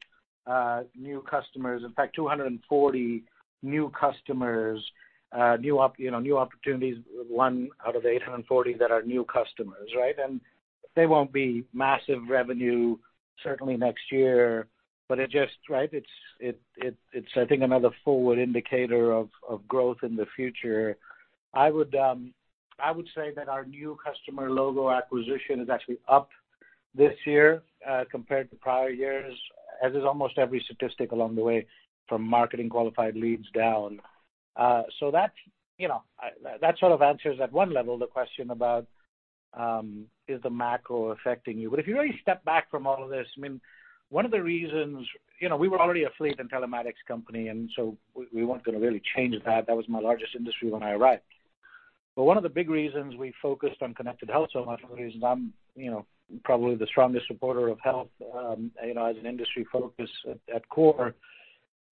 new customers. In fact, 240 new customers, new opportunities, one out of the 840 that are new customers, right? They won't be massive revenue certainly next year, but it just, right, it's I think another forward indicator of growth in the future. I would say that our new customer logo acquisition is actually up this year compared to prior years, as is almost every statistic along the way from marketing qualified leads down. That's, you know, that sort of answers at one level the question about is the macro affecting you. If you really step back from all of this, I mean, one of the reasons, you know, we were already a fleet and telematics company, and so we weren't gonna really change that. That was my largest industry when I arrived. One of the big reasons we focused on connected health, so much of the reason I'm, you know, probably the strongest supporter of health, you know, as an industry focus at KORE,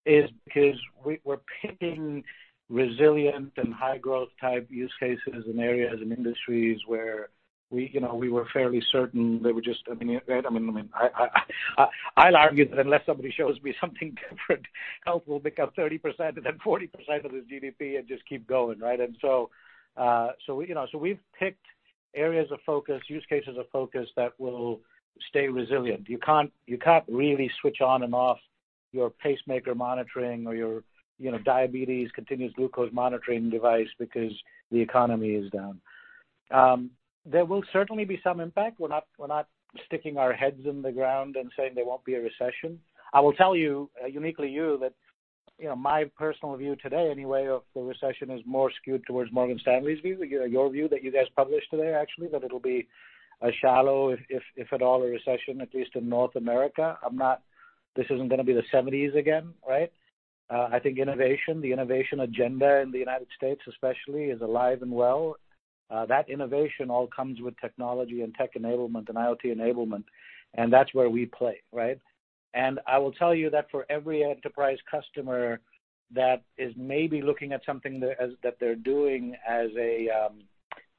is because we're picking resilient and high growth type use cases and areas and industries where we, you know, we were fairly certain they were just, I mean, right, I mean, I'll argue that unless somebody shows me something different, health will become 30% and then 40% of the GDP and just keep going, right? We've picked areas of focus, use cases of focus that will stay resilient. You can't really switch on and off your pacemaker monitoring or your, you know, diabetes continuous glucose monitoring device because the economy is down. There will certainly be some impact. We're not sticking our heads in the ground and saying there won't be a recession. I will tell you, uniquely you, that you know, my personal view today anyway of the recession is more skewed towards Morgan Stanley's view. Your view that you guys published today, actually, that it'll be a shallow, if at all, a recession, at least in North America. This isn't gonna be the seventies again, right? I think innovation, the innovation agenda in the United States especially, is alive and well. That innovation all comes with technology and tech enablement and IoT enablement, and that's where we play, right? I will tell you that for every enterprise customer that is maybe looking at something that they're doing as a,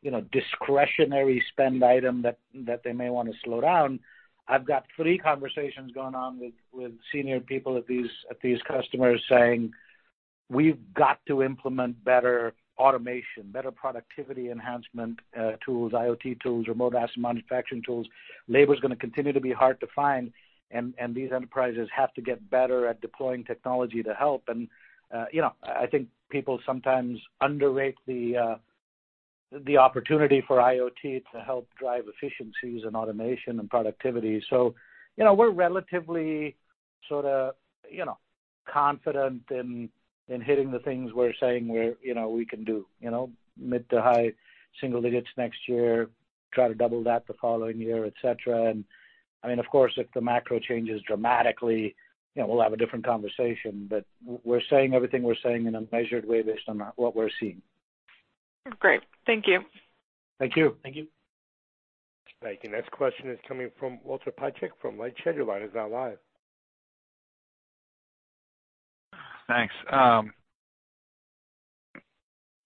you know, discretionary spend item that they may wanna slow down, I've got three conversations going on with senior people at these customers saying, "We've got to implement better automation, better productivity enhancement, tools, IoT tools, remote asset manufacturing tools." Labor is gonna continue to be hard to find, and these enterprises have to get better at deploying technology to help. I think people sometimes underrate the opportunity for IoT to help drive efficiencies and automation and productivity. You know, we're relatively sort of confident in hitting the things we're saying we can do. You know, mid to high single digits next year, try to double that the following year, et cetera. I mean, of course, if the macro changes dramatically, you know, we'll have a different conversation. We're saying everything we're saying in a measured way based on what we're seeing. Great. Thank you. Thank you. Thank you. Thank you. Next question is coming from Walter Piecyk from LightShed. Your line is now live. Thanks.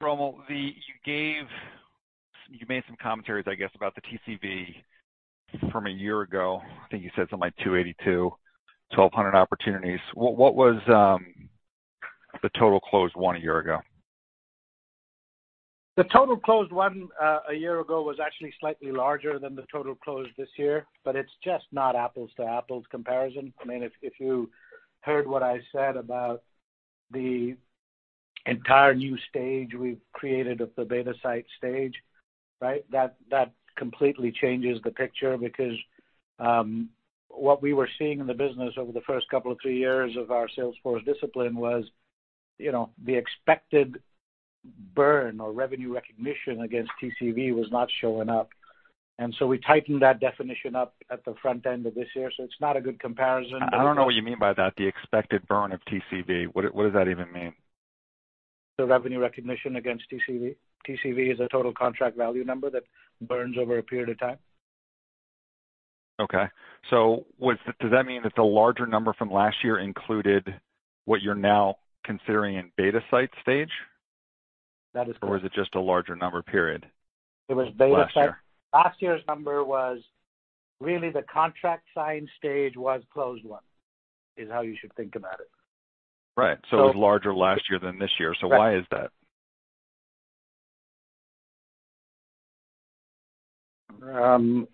Romil, you made some comments, I guess, about the TCV from a year ago. I think you said something like 282, 1,200 opportunities. What was the total closed-won a year ago? The total closed-won a year ago was actually slightly larger than the total closed this year, but it's just not apples to apples comparison. I mean, if you heard what I said about the entire new stage we've created at the beta site stage, right? That completely changes the picture because what we were seeing in the business over the first couple of three years of our sales force discipline was, you know, the expected burn or revenue recognition against TCV was not showing up. We tightened that definition up at the front end of this year, so it's not a good comparison. I don't know what you mean by that, the expected burn of TCV. What does that even mean? The revenue recognition against TCV. TCV is a total contract value number that burns over a period of time. Does that mean that the larger number from last year included what you're now considering in beta site stage? That is correct. Was it just a larger number, period? It was beta site. Last year. Last year's number was really the contract signed stage was closed-won, is how you should think about it. Right. It was larger last year than this year. Right. Why is that?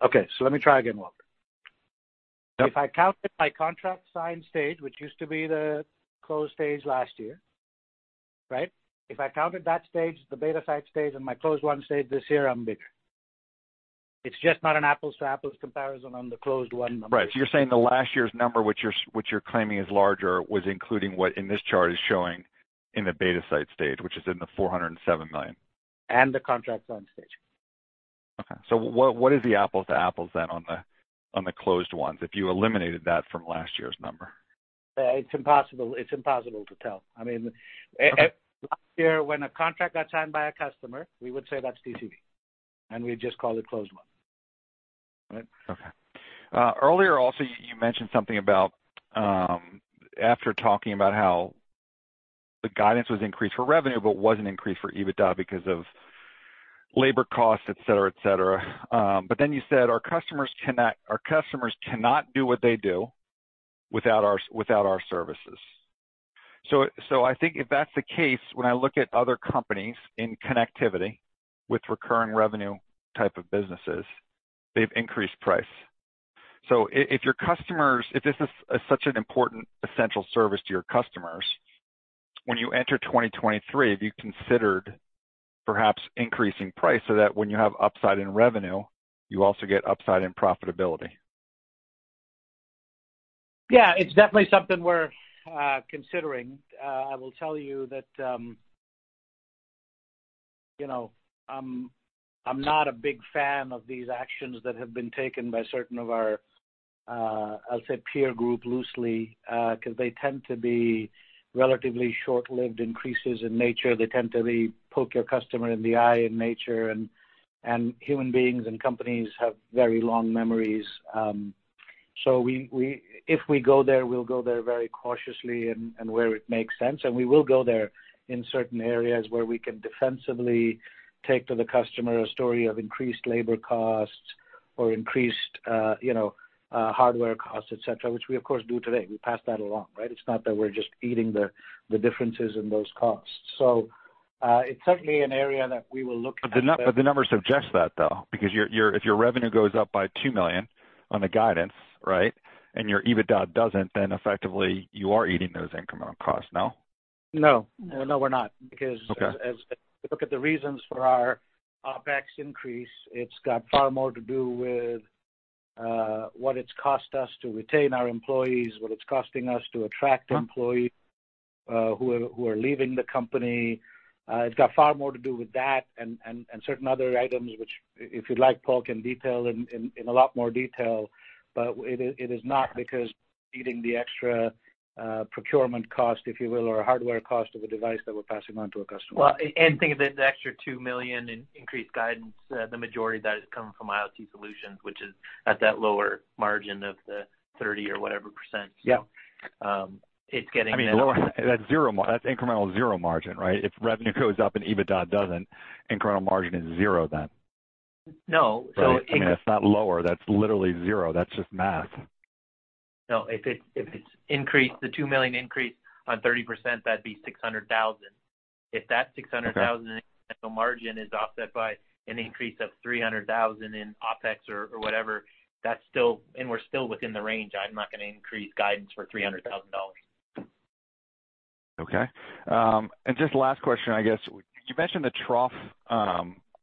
Okay, let me try again, Walter. Yep. If I counted my contract signed stage, which used to be the closed-won stage last year, right? If I counted that stage, the beta site stage and my closed-won stage this year, I'm bigger. It's just not an apples to apples comparison on the closed-won number. Right. You're saying that last year's number, which you're claiming is larger, was including what in this chart is showing in the beta site stage, which is $407 million. The contract signed stage. Okay. What is the apples to apples then on the closed ones if you eliminated that from last year's number? It's impossible to tell. I mean. Okay. Last year when a contract got signed by a customer, we would say that's TCV, and we just call it closed won. All right. Okay. Earlier also you mentioned something about, after talking about how the guidance was increased for revenue, but wasn't increased for EBITDA because of labor costs, et cetera, et cetera. You said our customers cannot do what they do without our services. I think if that's the case, when I look at other companies in connectivity with recurring revenue type of businesses, they've increased price. If your customers, if this is such an important essential service to your customers, when you enter 2023, have you considered perhaps increasing price so that when you have upside in revenue, you also get upside in profitability? Yeah. It's definitely something we're considering. I will tell you that, you know, I'm not a big fan of these actions that have been taken by certain of our, I'll say peer group loosely, 'cause they tend to be relatively short-lived increases in nature. They tend to be poke your customer in the eye in nature. Human beings and companies have very long memories. So we if we go there, we'll go there very cautiously and where it makes sense. We will go there in certain areas where we can defensively take to the customer a story of increased labor costs or increased, you know, hardware costs, et cetera, which we of course do today. We pass that along, right? It's not that we're just eating the differences in those costs. It's certainly an area that we will look at. The numbers suggest that, though, because if your revenue goes up by $2 million on the guidance, right? Your EBITDA doesn't, then effectively you are eating those incremental costs, no? No. No, we're not. Okay. Because as we look at the reasons for our OpEx increase, it's got far more to do with what it's cost us to retain our employees, what it's costing us to attract employees who are leaving the company. It's got far more to do with that and certain other items which if you'd like, Paul, can detail in a lot more detail. It is not because eating the extra procurement cost, if you will, or hardware cost of a device that we're passing on to a customer. Well, and think of it, the extra $2 million in increased guidance, the majority of that is coming from IoT solutions, which is at that lower margin of the 30% or whatever. Yeah. Um, it's getting- I mean, that's incremental zero margin, right? If revenue goes up and EBITDA doesn't, incremental margin is zero then. No. Right? I mean, that's not lower, that's literally zero. That's just math. No. If it's increased, the $2 million increase on 30%, that'd be $600,000. If that $600,000 Okay. incremental margin is offset by an increase of $300,000 in OpEx or whatever, that's still within the range. We're still within the range. I'm not gonna increase guidance for $300,000. Okay. Just last question, I guess. You mentioned the trough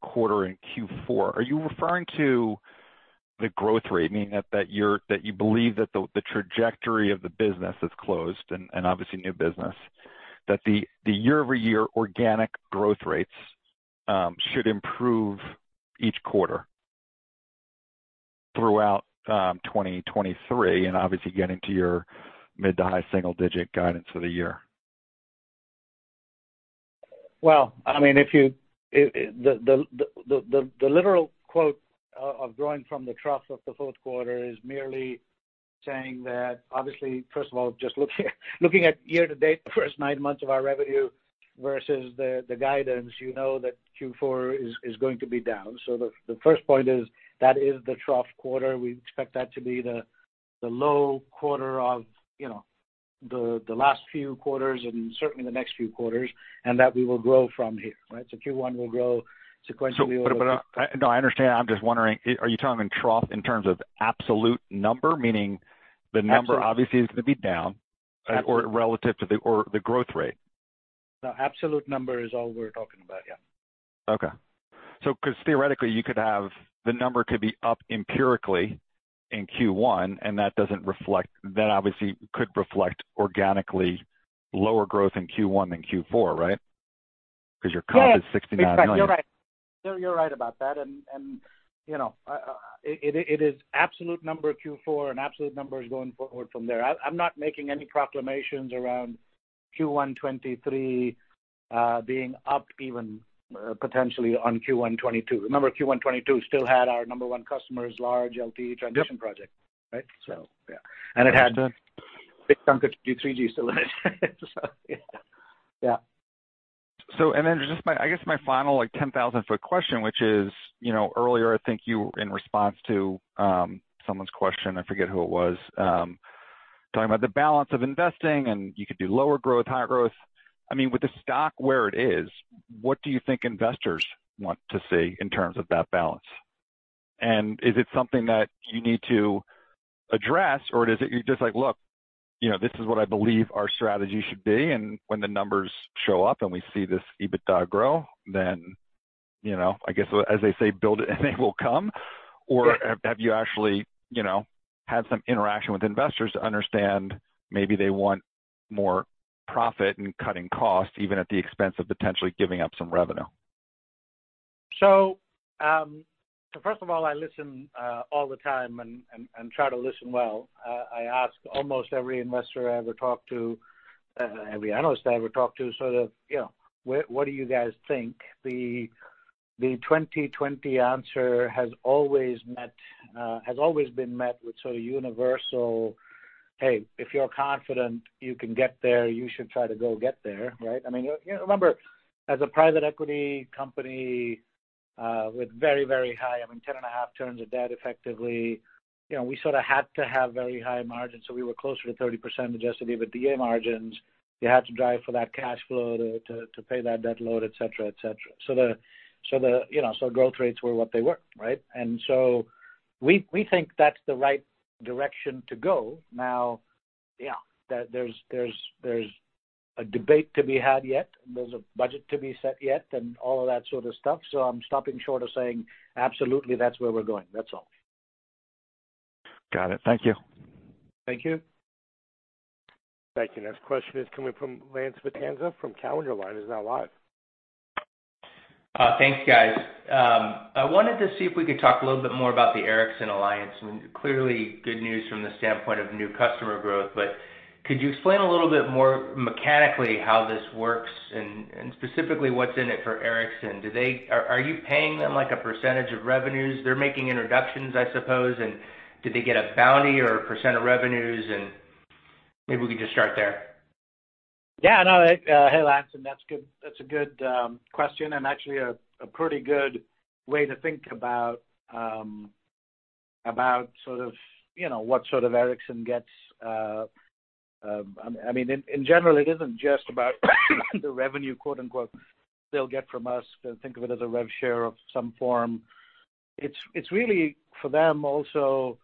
quarter in Q4. Are you referring to the growth rate, meaning that you believe that the trajectory of the business is closed and obviously new business, that the year-over-year organic growth rates should improve each quarter throughout 2023, and obviously getting to your mid- to high-single-digit guidance for the year? Well, I mean, the literal quote of growing from the trough of the fourth quarter is merely saying that obviously, first of all, just looking at year to date, the first nine months of our revenue versus the guidance, you know that Q4 is going to be down. The first point is, that is the trough quarter. We expect that to be the low quarter of, you know, the last few quarters and certainly the next few quarters, and that we will grow from here, right? Q1 will grow sequentially over. No, I understand. I'm just wondering, are you talking through in terms of absolute number, meaning the number- Absolute. Obviously is gonna be down or relative to the growth rate? No, absolute number is all we're talking about. Yeah. Okay. 'Cause theoretically, you could have, the number could be up empirically in Q1, and that doesn't reflect. That obviously could reflect organically lower growth in Q1 than Q4, right? 'Cause your comp is $69 million. Yes. Exactly. You're right about that. It is absolute number Q4 and absolute numbers going forward from there. I'm not making any proclamations around Q1 2023 being up even potentially on Q1 2022. Remember, Q1 2022 still had our number one customer's large LTE transition project. Yep. Right? Yeah. Understood. It had a big chunk of 3G still in it. Yeah. just my, I guess, my final like 10,000-foot question, which is, you know, earlier I think you, in response to someone's question, I forget who it was, talking about the balance of investing and you could do lower growth, high growth. I mean, with the stock where it is, what do you think investors want to see in terms of that balance? And is it something that you need to address, or is it you're just like, "Look, you know, this is what I believe our strategy should be, and when the numbers show up and we see this EBITDA grow, then, you know, I guess as they say, build it and they will come. Yeah. Have you actually, you know, had some interaction with investors to understand maybe they want more profit and cutting costs, even at the expense of potentially giving up some revenue? First of all, I listen all the time and try to listen well. I ask almost every investor I ever talk to, every analyst I ever talk to sort of, you know, "What do you guys think?" The 2020 answer has always been met with sort of universal, "Hey, if you're confident you can get there, you should try to go get there," right? I mean, you know, remember, as a private equity company with very high, I mean, 10.5 turns of debt effectively, you know, we sort of had to have very high margins. We were closer to 30% EBITDA margins. You had to drive for that cash flow to pay that debt load, et cetera, et cetera. You know, growth rates were what they were, right? We think that's the right direction to go. Now, yeah, there's a debate to be had yet, and there's a budget to be set yet and all of that sort of stuff. I'm stopping short of saying, "Absolutely, that's where we're going." That's all. Got it. Thank you. Thank you. Thank you. Next question is coming from Lance Vitanza from Cowen. Your line is now live. Thanks, guys. I wanted to see if we could talk a little bit more about the Ericsson alliance. I mean, clearly good news from the standpoint of new customer growth, but could you explain a little bit more mechanically how this works and specifically what's in it for Ericsson? Are you paying them like a percentage of revenues? They're making introductions, I suppose, and do they get a bounty or a percent of revenues? Maybe we could just start there. Yeah, no. Hey, Lance, and that's good. That's a good question, and actually a pretty good way to think about sort of, you know, what sort of Ericsson gets. I mean, in general, it isn't just about the revenue, quote-unquote, "They'll get from us," think of it as a rev share of some form. It's really for them also,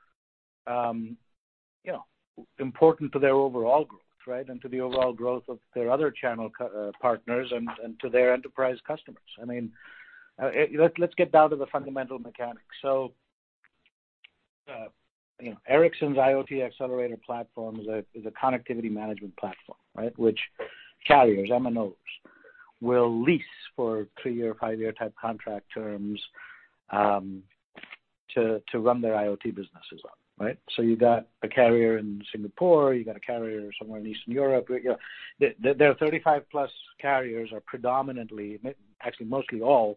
you know, important to their overall growth, right? To the overall growth of their other channel partners and to their enterprise customers. I mean, let's get down to the fundamental mechanics. You know, Ericsson's IoT Accelerator platform is a connectivity management platform, right? Which carriers, MNOs, will lease for three year, five year type contract terms, to run their IoT businesses on, right? You got a carrier in Singapore, you got a carrier somewhere in Eastern Europe. Their 35+ carriers are predominantly actually mostly all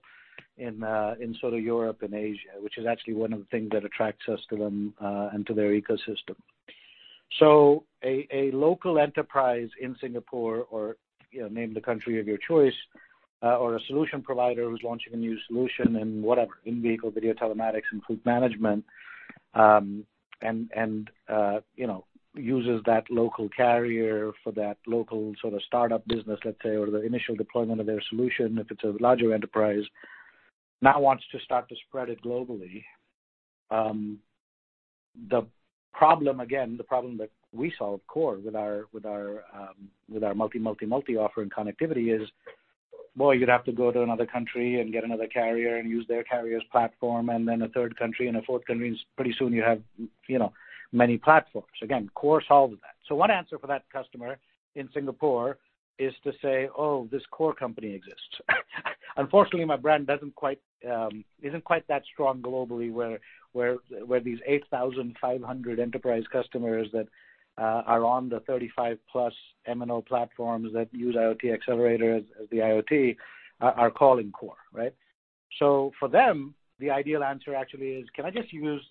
in sort of Europe and Asia, which is actually one of the things that attracts us to them and to their ecosystem. A local enterprise in Singapore or, you know, name the country of your choice, or a solution provider who's launching a new solution in whatever, in-vehicle video telematics and fleet management, and you know, uses that local carrier for that local sort of startup business, let's say, or the initial deployment of their solution if it's a larger enterprise, now wants to start to spread it globally. The problem that we solve KORE with our multi-offer in connectivity is, boy, you'd have to go to another country and get another carrier and use their carrier's platform and then a third country and a fourth country, and pretty soon you have, you know, many platforms. Again, KORE solves that. One answer for that customer in Singapore is to say, "Oh, this KORE company exists." Unfortunately, my brand doesn't quite isn't quite that strong globally where these 8,500 enterprise customers that are on the 35+ MNO platforms that use IoT Accelerator as the IoT are calling KORE, right? For them, the ideal answer actually is, "Can I just use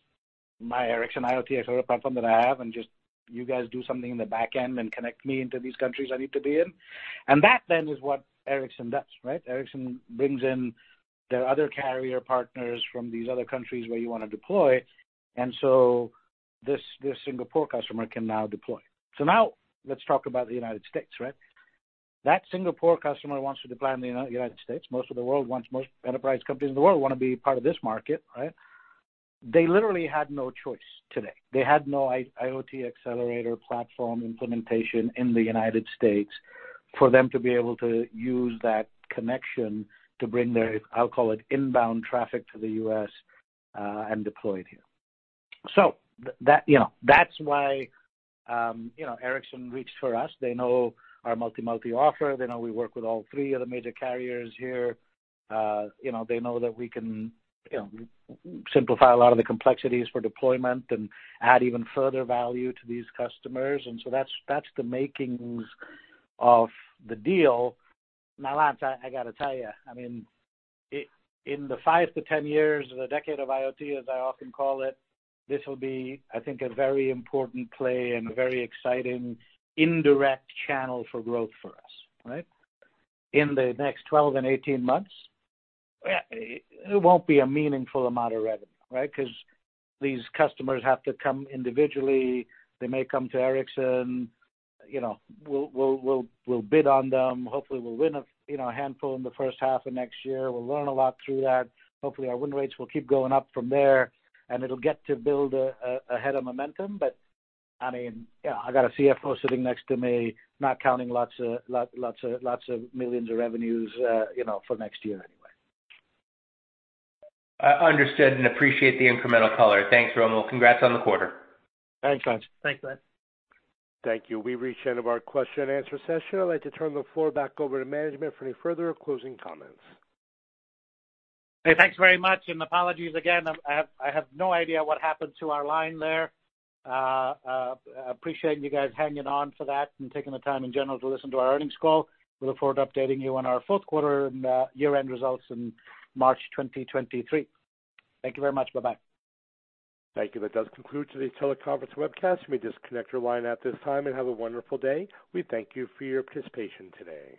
my Ericsson IoT Accelerator platform that I have and just you guys do something in the back end and connect me into these countries I need to be in?" That then is what Ericsson does, right? Ericsson brings in their other carrier partners from these other countries where you wanna deploy, and so this Singapore customer can now deploy. Now let's talk about the United States, right? That Singapore customer wants to deploy in the United States. Most enterprise companies in the world wanna be part of this market, right? They literally had no choice today. They had no IoT Accelerator platform implementation in the United States for them to be able to use that connection to bring their, I'll call it, inbound traffic to the U.S., and deploy it here. That, you know, that's why, you know, Ericsson reached out to us. They know our multi-carrier offer. They know we work with all three of the major carriers here. You know, they know that we can, you know, simplify a lot of the complexities for deployment and add even further value to these customers. That's the makings of the deal. Now, Lance, I gotta tell you, I mean, in the 5 to 10 years or the decade of IoT, as I often call it, this will be, I think, a very important play and a very exciting indirect channel for growth for us, right? In the next 12 and 18 months, it won't be a meaningful amount of revenue, right? 'Cause these customers have to come individually. They may come to Ericsson. You know, we'll bid on them. Hopefully, we'll win a handful in the first half of next year. We'll learn a lot through that. Hopefully, our win rates will keep going up from there, and it'll get to build a head of momentum. But I mean, you know, I got a CFO sitting next to me, not counting lots of millions of revenues, you know, for next year anyway. Understood and appreciate the incremental color. Thanks, Romil. Congrats on the quarter. Thanks, Lance. Thanks, Lance. Thank you. We've reached the end of our question and answer session. I'd like to turn the floor back over to management for any further closing comments. Hey, thanks very much, and apologies again. I have no idea what happened to our line there. Appreciate you guys hanging on for that and taking the time in general to listen to our earnings call. We look forward to updating you on our fourth quarter and year-end results in March 2023. Thank you very much. Bye-bye. Thank you. That does conclude today's teleconference webcast. You may disconnect your line at this time and have a wonderful day. We thank you for your participation today.